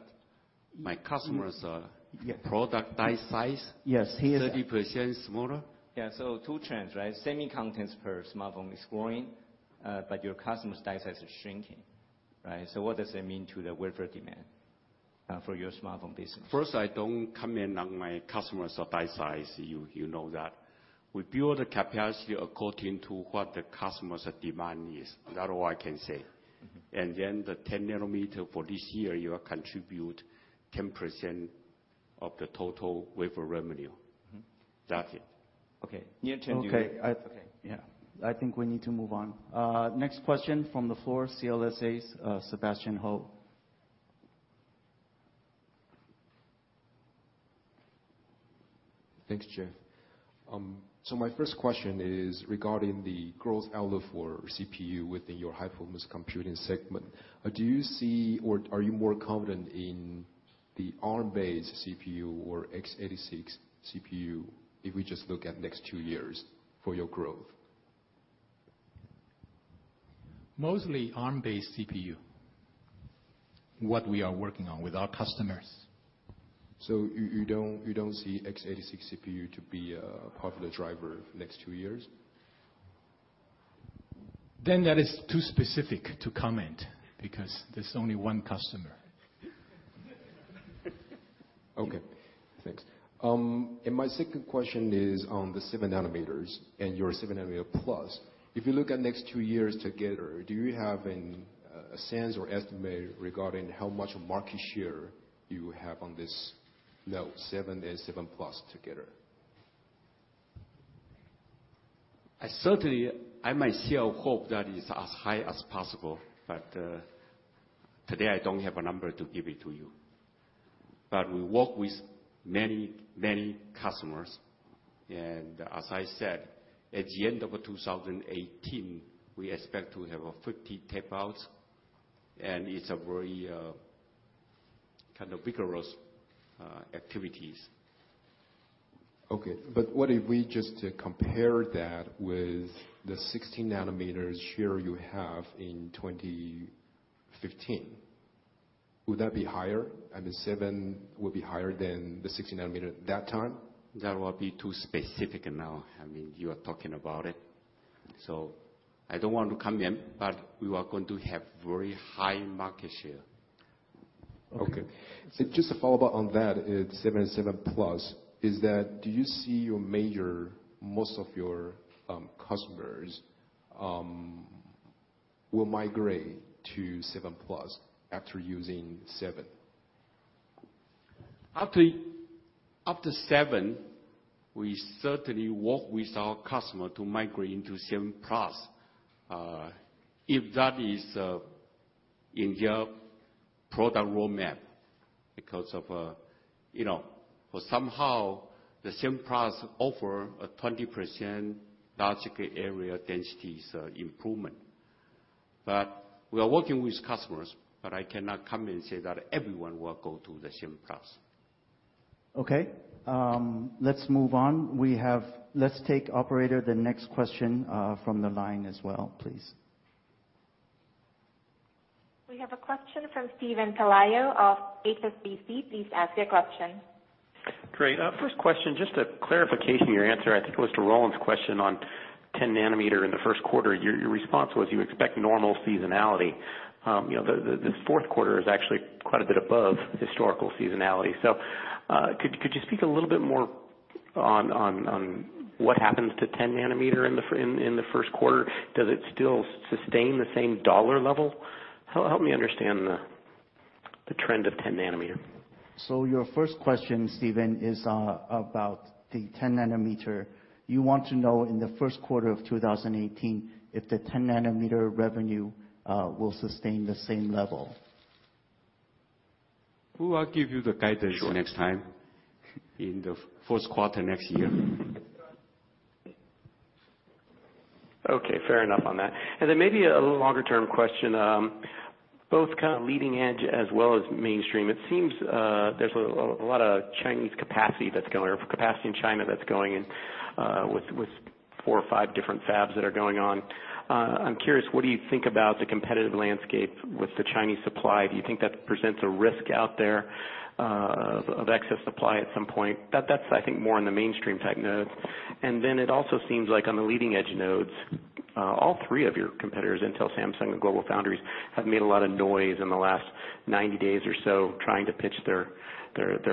my customers are- Yeah product die size? Yes, he is- 30% smaller? Two trends, right? Semi contents per smartphone is growing, but your customer's die size is shrinking, right? What does that mean to the wafer demand for your smartphone business? First, I don't comment on my customers' die size. You know that. We build the capacity according to what the customer's demand is. That's all I can say. The 10 nanometer for this year, you contribute 10% of the total wafer revenue. That's it. Okay. Okay. Okay. Yeah. I think we need to move on. Next question from the floor, CLSA's Sebastian Hou. Thanks, Jeff. My first question is regarding the growth outlook for CPU within your high-performance computing segment. Do you see or are you more confident in the Arm-based CPU or x86 CPU, if we just look at next two years for your growth? Mostly Arm-based CPU, what we are working on with our customers. You don't see x86 CPU to be a popular driver next two years? That is too specific to comment, because there's only one customer. Okay, thanks. My second question is on the 7 nanometers and your 7 nanometer plus. If you look at next two years together, do you have a sense or estimate regarding how much market share you have on this node, 7 and 7 plus together? I certainly, I myself hope that is as high as possible. Today I don't have a number to give it to you. We work with many, many customers, and as I said, at the end of 2018, we expect to have 50 tape-outs, and it's a very kind of vigorous activities. Okay. What if we just compare that with the 16 nanometers share you have in 2015? Would that be higher? I mean, 7 would be higher than the 16 nanometer that time? That will be too specific now. You are talking about it. I don't want to comment, but we are going to have very high market share. Okay. Just a follow-up on that, 7nm and 7nm+, is that do you see your major, most of your customers will migrate to 7nm+ after using 7nm? After 7nm, we certainly work with our customer to migrate into 7nm+, if that is in their product roadmap. Because for somehow, the 7nm+ offer a 20% logical area density improvement. We are working with customers, but I cannot come and say that everyone will go to the 7nm+. Okay. Let's move on. Let's take operator, the next question from the line as well, please. We have a question from Steven Pelayo of HSBC. Please ask your question. Great. First question, just a clarification. Your answer, I think it was to Roland's question on 10 nanometer in the first quarter. Your response was you expect normal seasonality. The fourth quarter is actually quite a bit above historical seasonality. Could you speak a little bit more on what happens to 10 nanometer in the first quarter? Does it still sustain the same dollar level? Help me understand the trend of 10 nanometer. Your first question, Steven, is about the 10 nanometer. You want to know in the first quarter of 2018 if the 10 nanometer revenue will sustain the same level. [inaudible] I'll give you the guidance next time in the fourth quarter next year. Okay, fair enough on that. Maybe a little longer-term question. Both kind of leading edge as well as mainstream, it seems there's a lot of capacity in China that's going in, with four or five different fabs that are going on. I'm curious, what do you think about the competitive landscape with the Chinese supply? Do you think that presents a risk out there of excess supply at some point? That's I think more on the mainstream type nodes. It also seems like on the leading edge nodes, all three of your competitors, Intel, Samsung, and GlobalFoundries, have made a lot of noise in the last 90 days or so trying to pitch their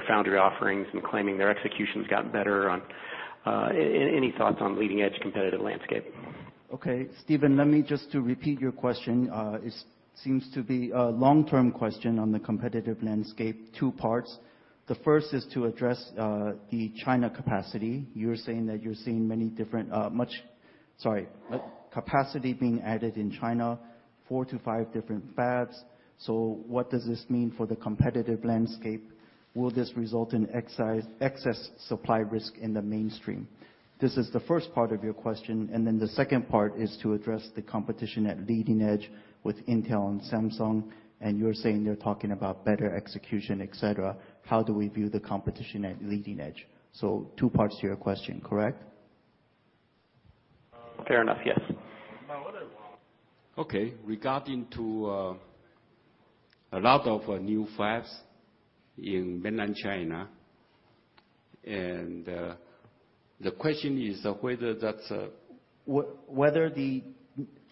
foundry offerings and claiming their execution's gotten better on. Any thoughts on leading edge competitive landscape? Okay. Steven, let me just repeat your question. It seems to be a long-term question on the competitive landscape, two parts. The first is to address the China capacity. You're saying that you're seeing capacity being added in China, four to five different fabs. What does this mean for the competitive landscape? Will this result in excess supply risk in the mainstream? This is the first part of your question, the second part is to address the competition at leading edge with Intel and Samsung, and you're saying they're talking about better execution, et cetera. How do we view the competition at leading edge? Two parts to your question, correct? Fair enough. Yes. Okay. Regarding to a lot of new fabs in mainland China, the question is whether that's. Whether the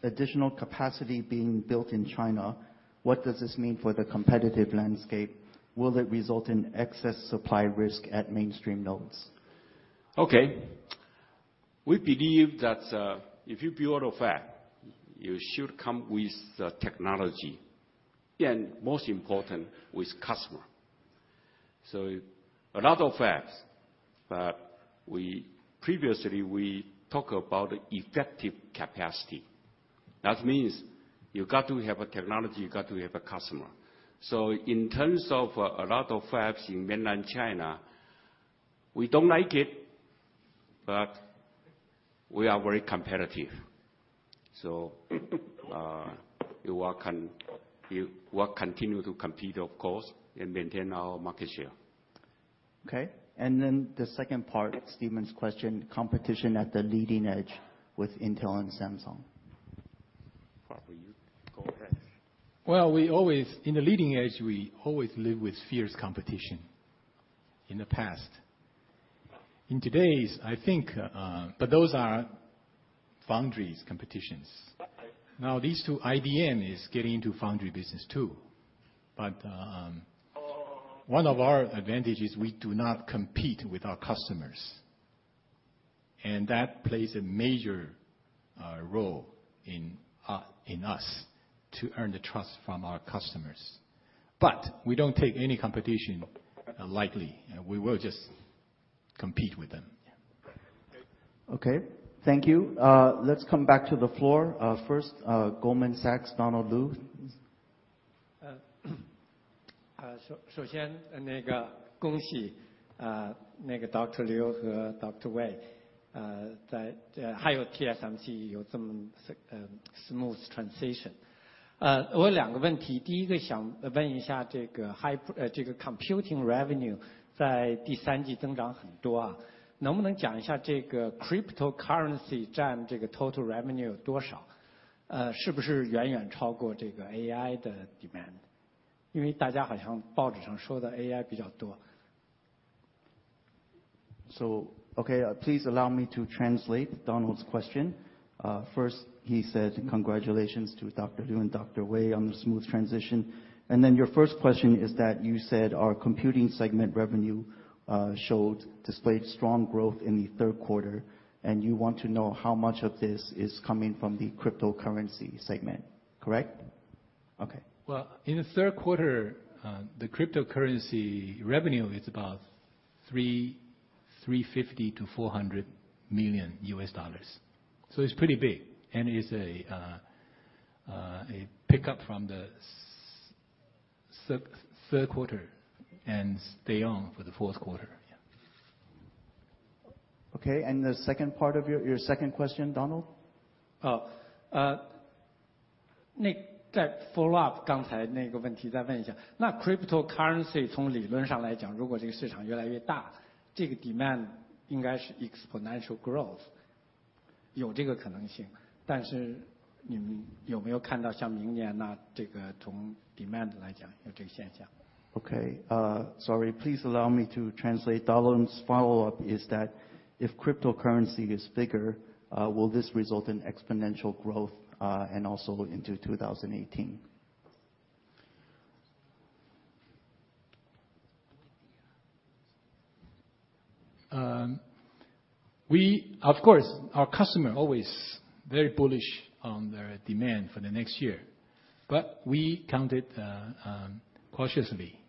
additional capacity being built in China, what does this mean for the competitive landscape? Will it result in excess supply risk at mainstream nodes? Okay. We believe that if you build a fab, you should come with the technology, and most important, with customer. A lot of fabs, but previously, we talk about effective capacity. That means you've got to have a technology, you've got to have a customer. In terms of a lot of fabs in mainland China, we don't like it, but we are very competitive. We will continue to compete, of course, and maintain our market share. Okay, the second part of Steven's question, competition at the leading edge with Intel and Samsung. Pu, for you. Go ahead. In the leading edge, we always lived with fierce competition in the past. In today's, I think those are foundries competitions. Now, these two, IBM is getting into foundry business too. One of our advantage is we do not compete with our customers, and that plays a major role in us to earn the trust from our customers. We don't take any competition lightly, and we will just compete with them. Thank you. Let's come back to the floor. First, Goldman Sachs, Donald Lu. Dr. Liu, Dr. Wei. smooth transition. computing revenue cryptocurrency total revenue AI demand. AI. Please allow me to translate Donald's question. First, he said congratulations to Dr. Liu and Dr. Wei on the smooth transition. Your first question is that you said our computing segment revenue displayed strong growth in the third quarter, and you want to know how much of this is coming from the cryptocurrency segment. Correct? In the third quarter, the cryptocurrency revenue is about $350 million-$400 million U.S. dollars, so it is pretty big. It is a pickup from the third quarter and stay on for the fourth quarter. Your second question, Donald? Cryptocurrency demand exponential growth 有这个可能性。但是你们有没有看到像明年，从 demand 来讲有这个现象。Okay. Sorry, please allow me to translate. Donald's follow-up is that if cryptocurrency is bigger, will this result in exponential growth, and also into 2018? We, of course, our customer always very bullish on their demand for the next year. We counted cautiously.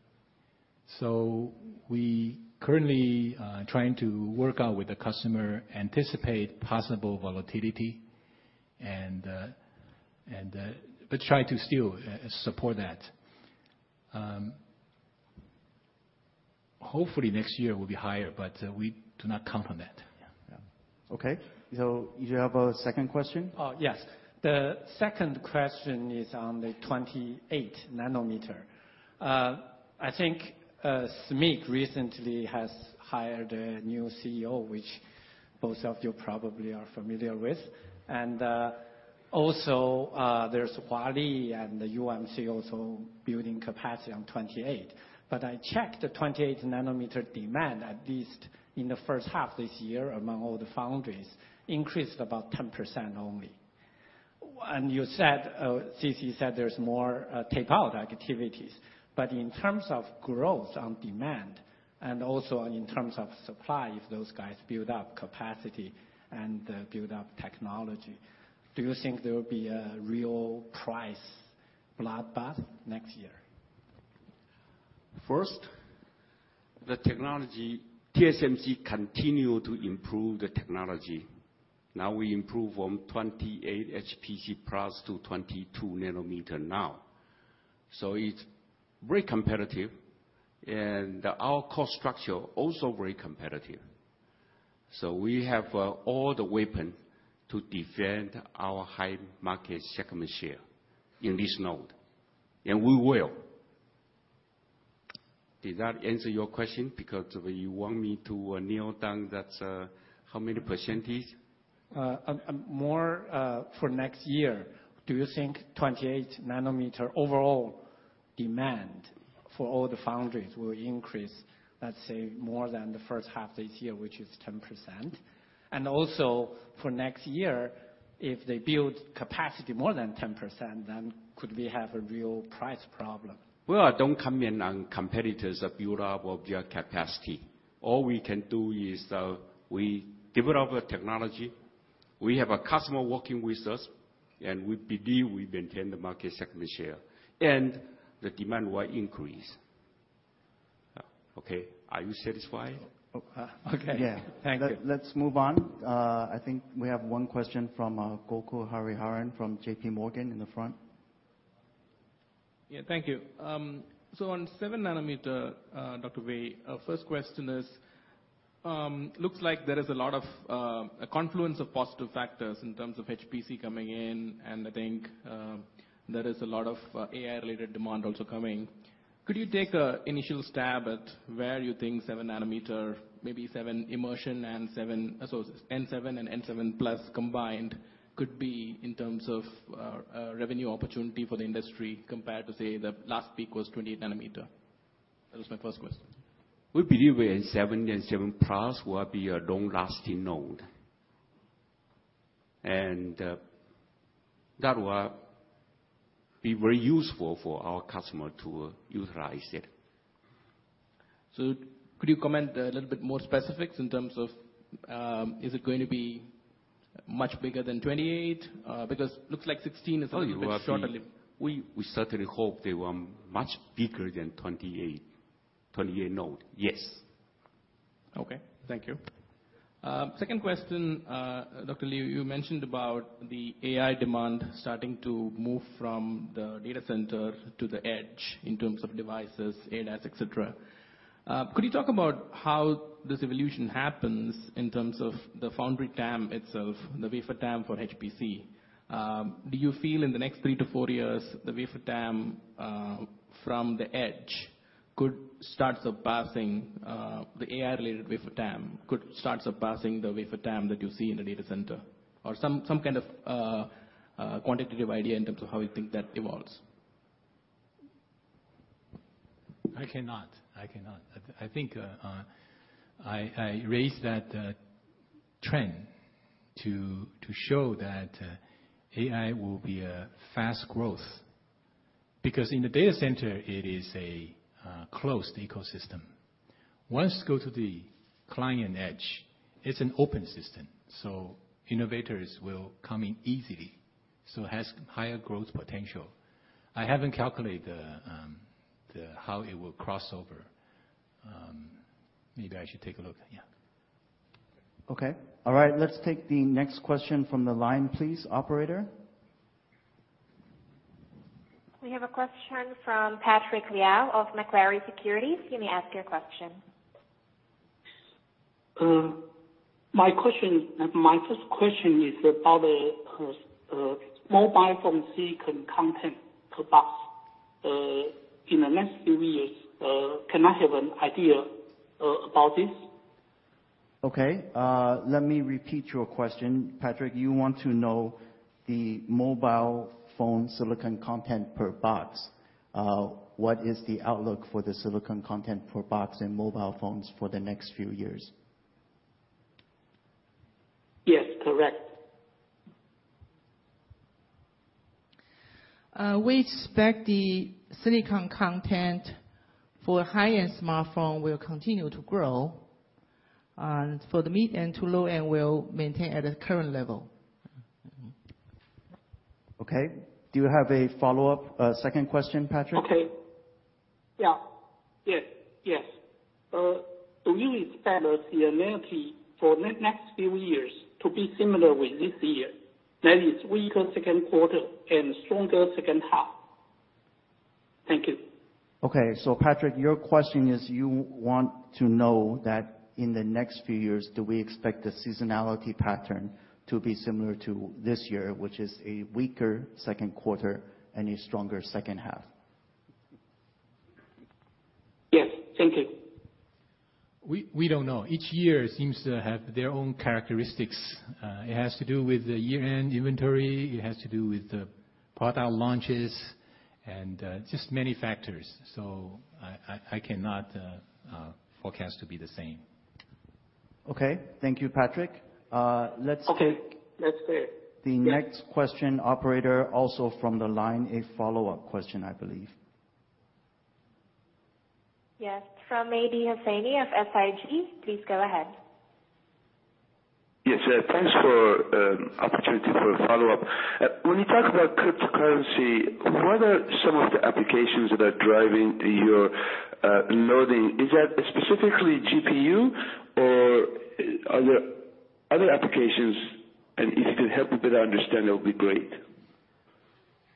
We currently trying to work out with the customer, anticipate possible volatility, but try to still support that. Hopefully, next year will be higher, but we do not count on that. Yeah. Okay. You have a second question? Yes. The second question is on the 28 nanometer. I think SMIC recently has hired a new CEO, which both of you probably are familiar with. Also, there's Huali and UMC also building capacity on 28. I checked the 28 nanometer demand, at least in the first half this year, among all the foundries, increased about 10% only. You said, C.C. said there's more tape-out activities. In terms of growth on demand and also in terms of supply, if those guys build up capacity and build up technology, do you think there will be a real price bloodbath next year? First, TSMC continue to improve the technology. Now we improve from 28HPC+ to 22 nanometer now. It's very competitive, and our cost structure also very competitive. We have all the weapon to defend our high market segment share in this node. We will. Did that answer your question? You want me to nail down that how many percentage? More for next year. Do you think 28 nanometer overall demand for all the foundries will increase, let's say, more than the first half this year, which is 10%? Also for next year, if they build capacity more than 10%, could we have a real price problem? Well, I don't comment on competitors that build up object capacity. All we can do is we develop a technology, we have a customer working with us, and we believe we maintain the market segment share, and the demand will increase. Okay, are you satisfied? Okay. Thank you. Let's move on. I think we have one question from Gokul Hariharan from JPMorgan in the front. Yeah, thank you. On 7 nanometer, Dr. Wei, first question is, looks like there is a confluence of positive factors in terms of HPC coming in, and I think there is a lot of AI-related demand also coming. Could you take an initial stab at where you think 7 nanometer, maybe 7 immersion and N7 and N7 plus combined could be in terms of revenue opportunity for the industry compared to, say, the last peak was 20 nanometer. That was my first question. We believe N7 and N7+ will be a long-lasting node. That will be very useful for our customer to utilize it. Could you comment a little bit more specifics in terms of, is it going to be much bigger than 28? Because looks like 16 is a little bit shorter. We certainly hope they were much bigger than 28 node. Yes. Okay. Thank you. Second question, Dr. Liu, you mentioned about the AI demand starting to move from the data center to the edge in terms of devices, ADAS, et cetera. Could you talk about how this evolution happens in terms of the foundry TAM itself, the wafer TAM for HPC? Do you feel in the next three to four years, the wafer TAM from the edge could start surpassing the AI-related wafer TAM could start surpassing the wafer TAM that you see in the data center? Some kind of quantitative idea in terms of how you think that evolves? I cannot. I think I raised that trend to show that AI will be a fast growth. Because in the data center, it is a closed ecosystem. Once go to the client edge, it's an open system, so innovators will come in easily. So it has higher growth potential. I haven't calculated how it will cross over. Maybe I should take a look, yeah. Okay. All right. Let's take the next question from the line, please, operator. We have a question from Patrick Liao of Macquarie Securities. You may ask your question. My first question is about mobile phone silicon content capacity. In the next few years, can I have an idea about this? Okay. Let me repeat your question, Patrick. You want to know the mobile phone silicon content per box. What is the outlook for the silicon content per box in mobile phones for the next few years? Yes, correct. We expect the silicon content for high-end smartphone will continue to grow. For the mid and to low-end will maintain at the current level. Okay. Do you have a follow-up second question, Patrick? Okay. Yeah. Yes. Do you expect the seasonality for next few years to be similar with this year? That is weaker second quarter and stronger second half. Thank you. Patrick, your question is you want to know that in the next few years, do we expect the seasonality pattern to be similar to this year, which is a weaker second quarter and a stronger second half? Yes. Thank you. We don't know. Each year seems to have their own characteristics. It has to do with the year-end inventory. It has to do with the product launches and just many factors. I cannot forecast to be the same. Okay. Thank you, Patrick. Let's take. Okay, that's clear. Yes. The next question, operator, also from the line, a follow-up question, I believe. Yes, from Mehdi Hosseini of SIG. Please go ahead. Yes. Thanks for opportunity for a follow-up. When you talk about cryptocurrency, what are some of the applications that are driving your loading? Is that specifically GPU or are there other applications? If you could help me better understand, that would be great.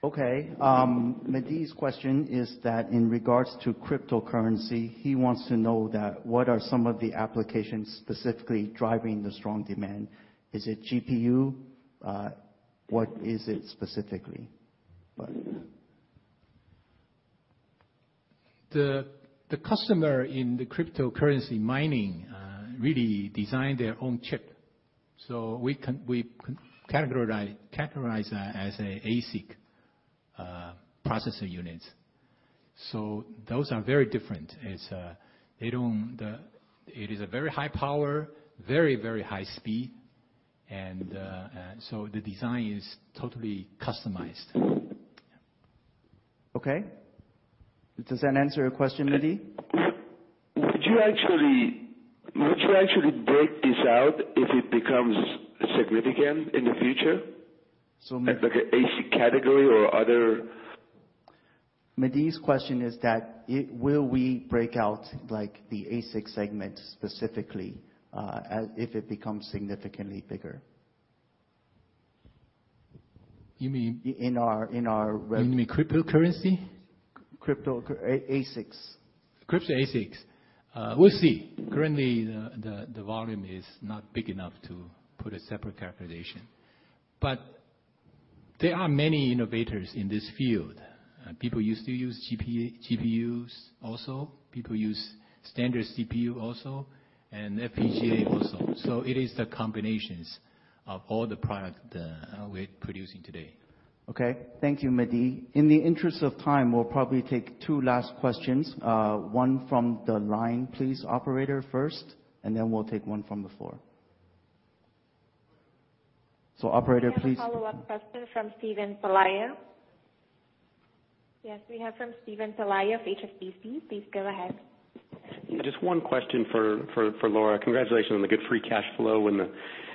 Okay. Mehdi's question is that in regards to cryptocurrency, he wants to know that what are some of the applications specifically driving the strong demand. Is it GPU? What is it specifically? The customer in the cryptocurrency mining really designed their own chip. We categorize that as a ASIC processor unit. Those are very different. It is a very high power, very high speed, the design is totally customized. Okay. Does that answer your question, Mehdi? Would you actually break this out if it becomes significant in the future? So may- Like an ASIC category or other Mehdi's question is that, will we break out the ASIC segment specifically, if it becomes significantly bigger? You mean- In our rev- You mean cryptocurrency? Crypto, ASICs. Crypto, ASICs. We'll see. Currently, the volume is not big enough to put a separate characterization. There are many innovators in this field. People used to use GPUs also. People use standard CPU also, FPGA also. It is the combinations of all the product that we're producing today. Okay. Thank you, Mehdi. In the interest of time, we'll probably take two last questions. One from the line please, operator, first, then we'll take one from the floor. Operator, please. We have a follow-up question from Steven Pelayo. Yes, we have from Steven Pelayo of HSBC. Please go ahead. Just one question for Lora. Congratulations on the good free cash flow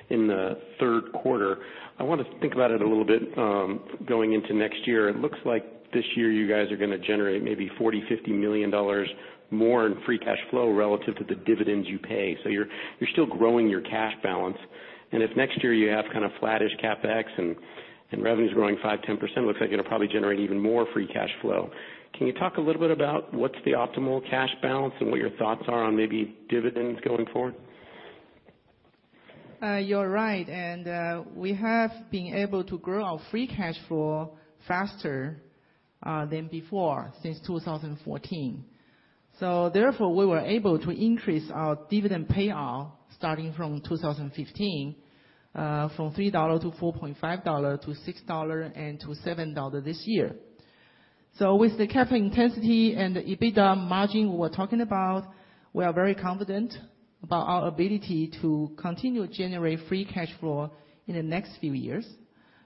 in the third quarter. I want to think about it a little bit, going into next year. It looks like this year you guys are going to generate maybe 40 billion-50 billion dollars more in free cash flow relative to the dividends you pay. You're still growing your cash balance. If next year you have kind of flattish CapEx and revenues growing 5%-10%, looks like you're going to probably generate even more free cash flow. Can you talk a little bit about what's the optimal cash balance and what your thoughts are on maybe dividends going forward? You're right. We have been able to grow our free cash flow faster than before, since 2014. Therefore, we were able to increase our dividend payout starting from 2015, from 3 dollar to 4.50 dollar to 6 dollar and to 7 dollar this year. With the capital intensity and the EBITDA margin we're talking about, we are very confident about our ability to continue to generate free cash flow in the next few years.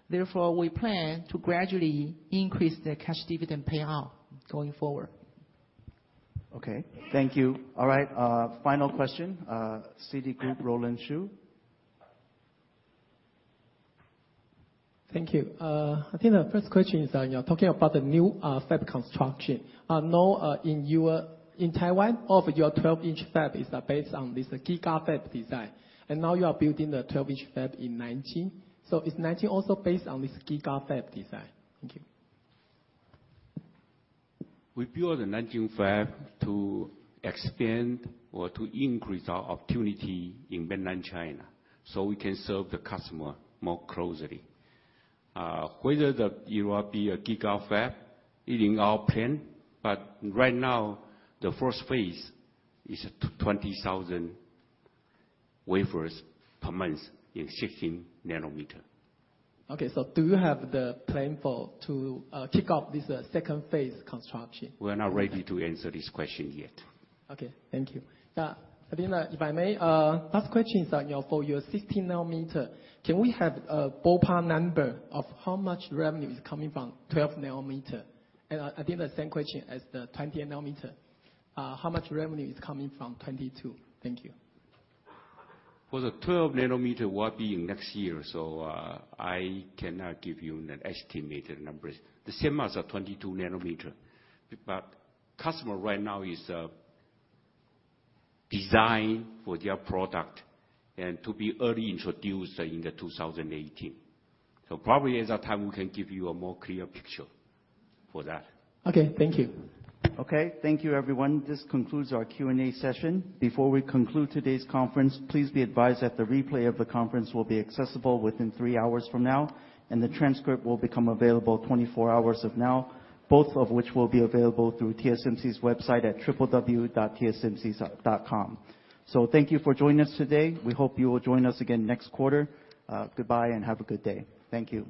Therefore, we plan to gradually increase the cash dividend payout going forward. Okay. Thank you. All right. Final question. Citigroup, Roland Shu. Thank you. I think the first question is, you're talking about the new fab construction. I know in Taiwan, all of your 12-inch fab is based on this GigaFab design. Now you are building the 12-inch fab in Nanjing. Is Nanjing also based on this GigaFab design? Thank you. We build the Nanjing fab to expand or to increase our opportunity in mainland China, we can serve the customer more closely. Whether it will be a GigaFab is in our plan. Right now, the first phase is 20,000 wafers per month in 16 nanometer. Okay. Do you have the plan to kick off this second phase construction? We're not ready to answer this question yet. Okay. Thank you. If I may, last question is for your 16 nanometer, can we have a ballpark number of how much revenue is coming from 12 nanometer? I think the same question as the 20 nanometer, how much revenue is coming from 22 nanometer? Thank you. For the 12 nanometer, will be next year, so I cannot give you an estimated numbers. The same as a 22 nanometer. Customer right now is design for their product, and to be early introduced in the 2018. Probably at that time, we can give you a more clear picture for that. Okay. Thank you. Okay. Thank you, everyone. This concludes our Q&A session. Before we conclude today's conference, please be advised that the replay of the conference will be accessible within three hours from now, and the transcript will become available 24 hours of now, both of which will be available through TSMC's website at www.tsmc.com. Thank you for joining us today. We hope you will join us again next quarter. Goodbye and have a good day. Thank you.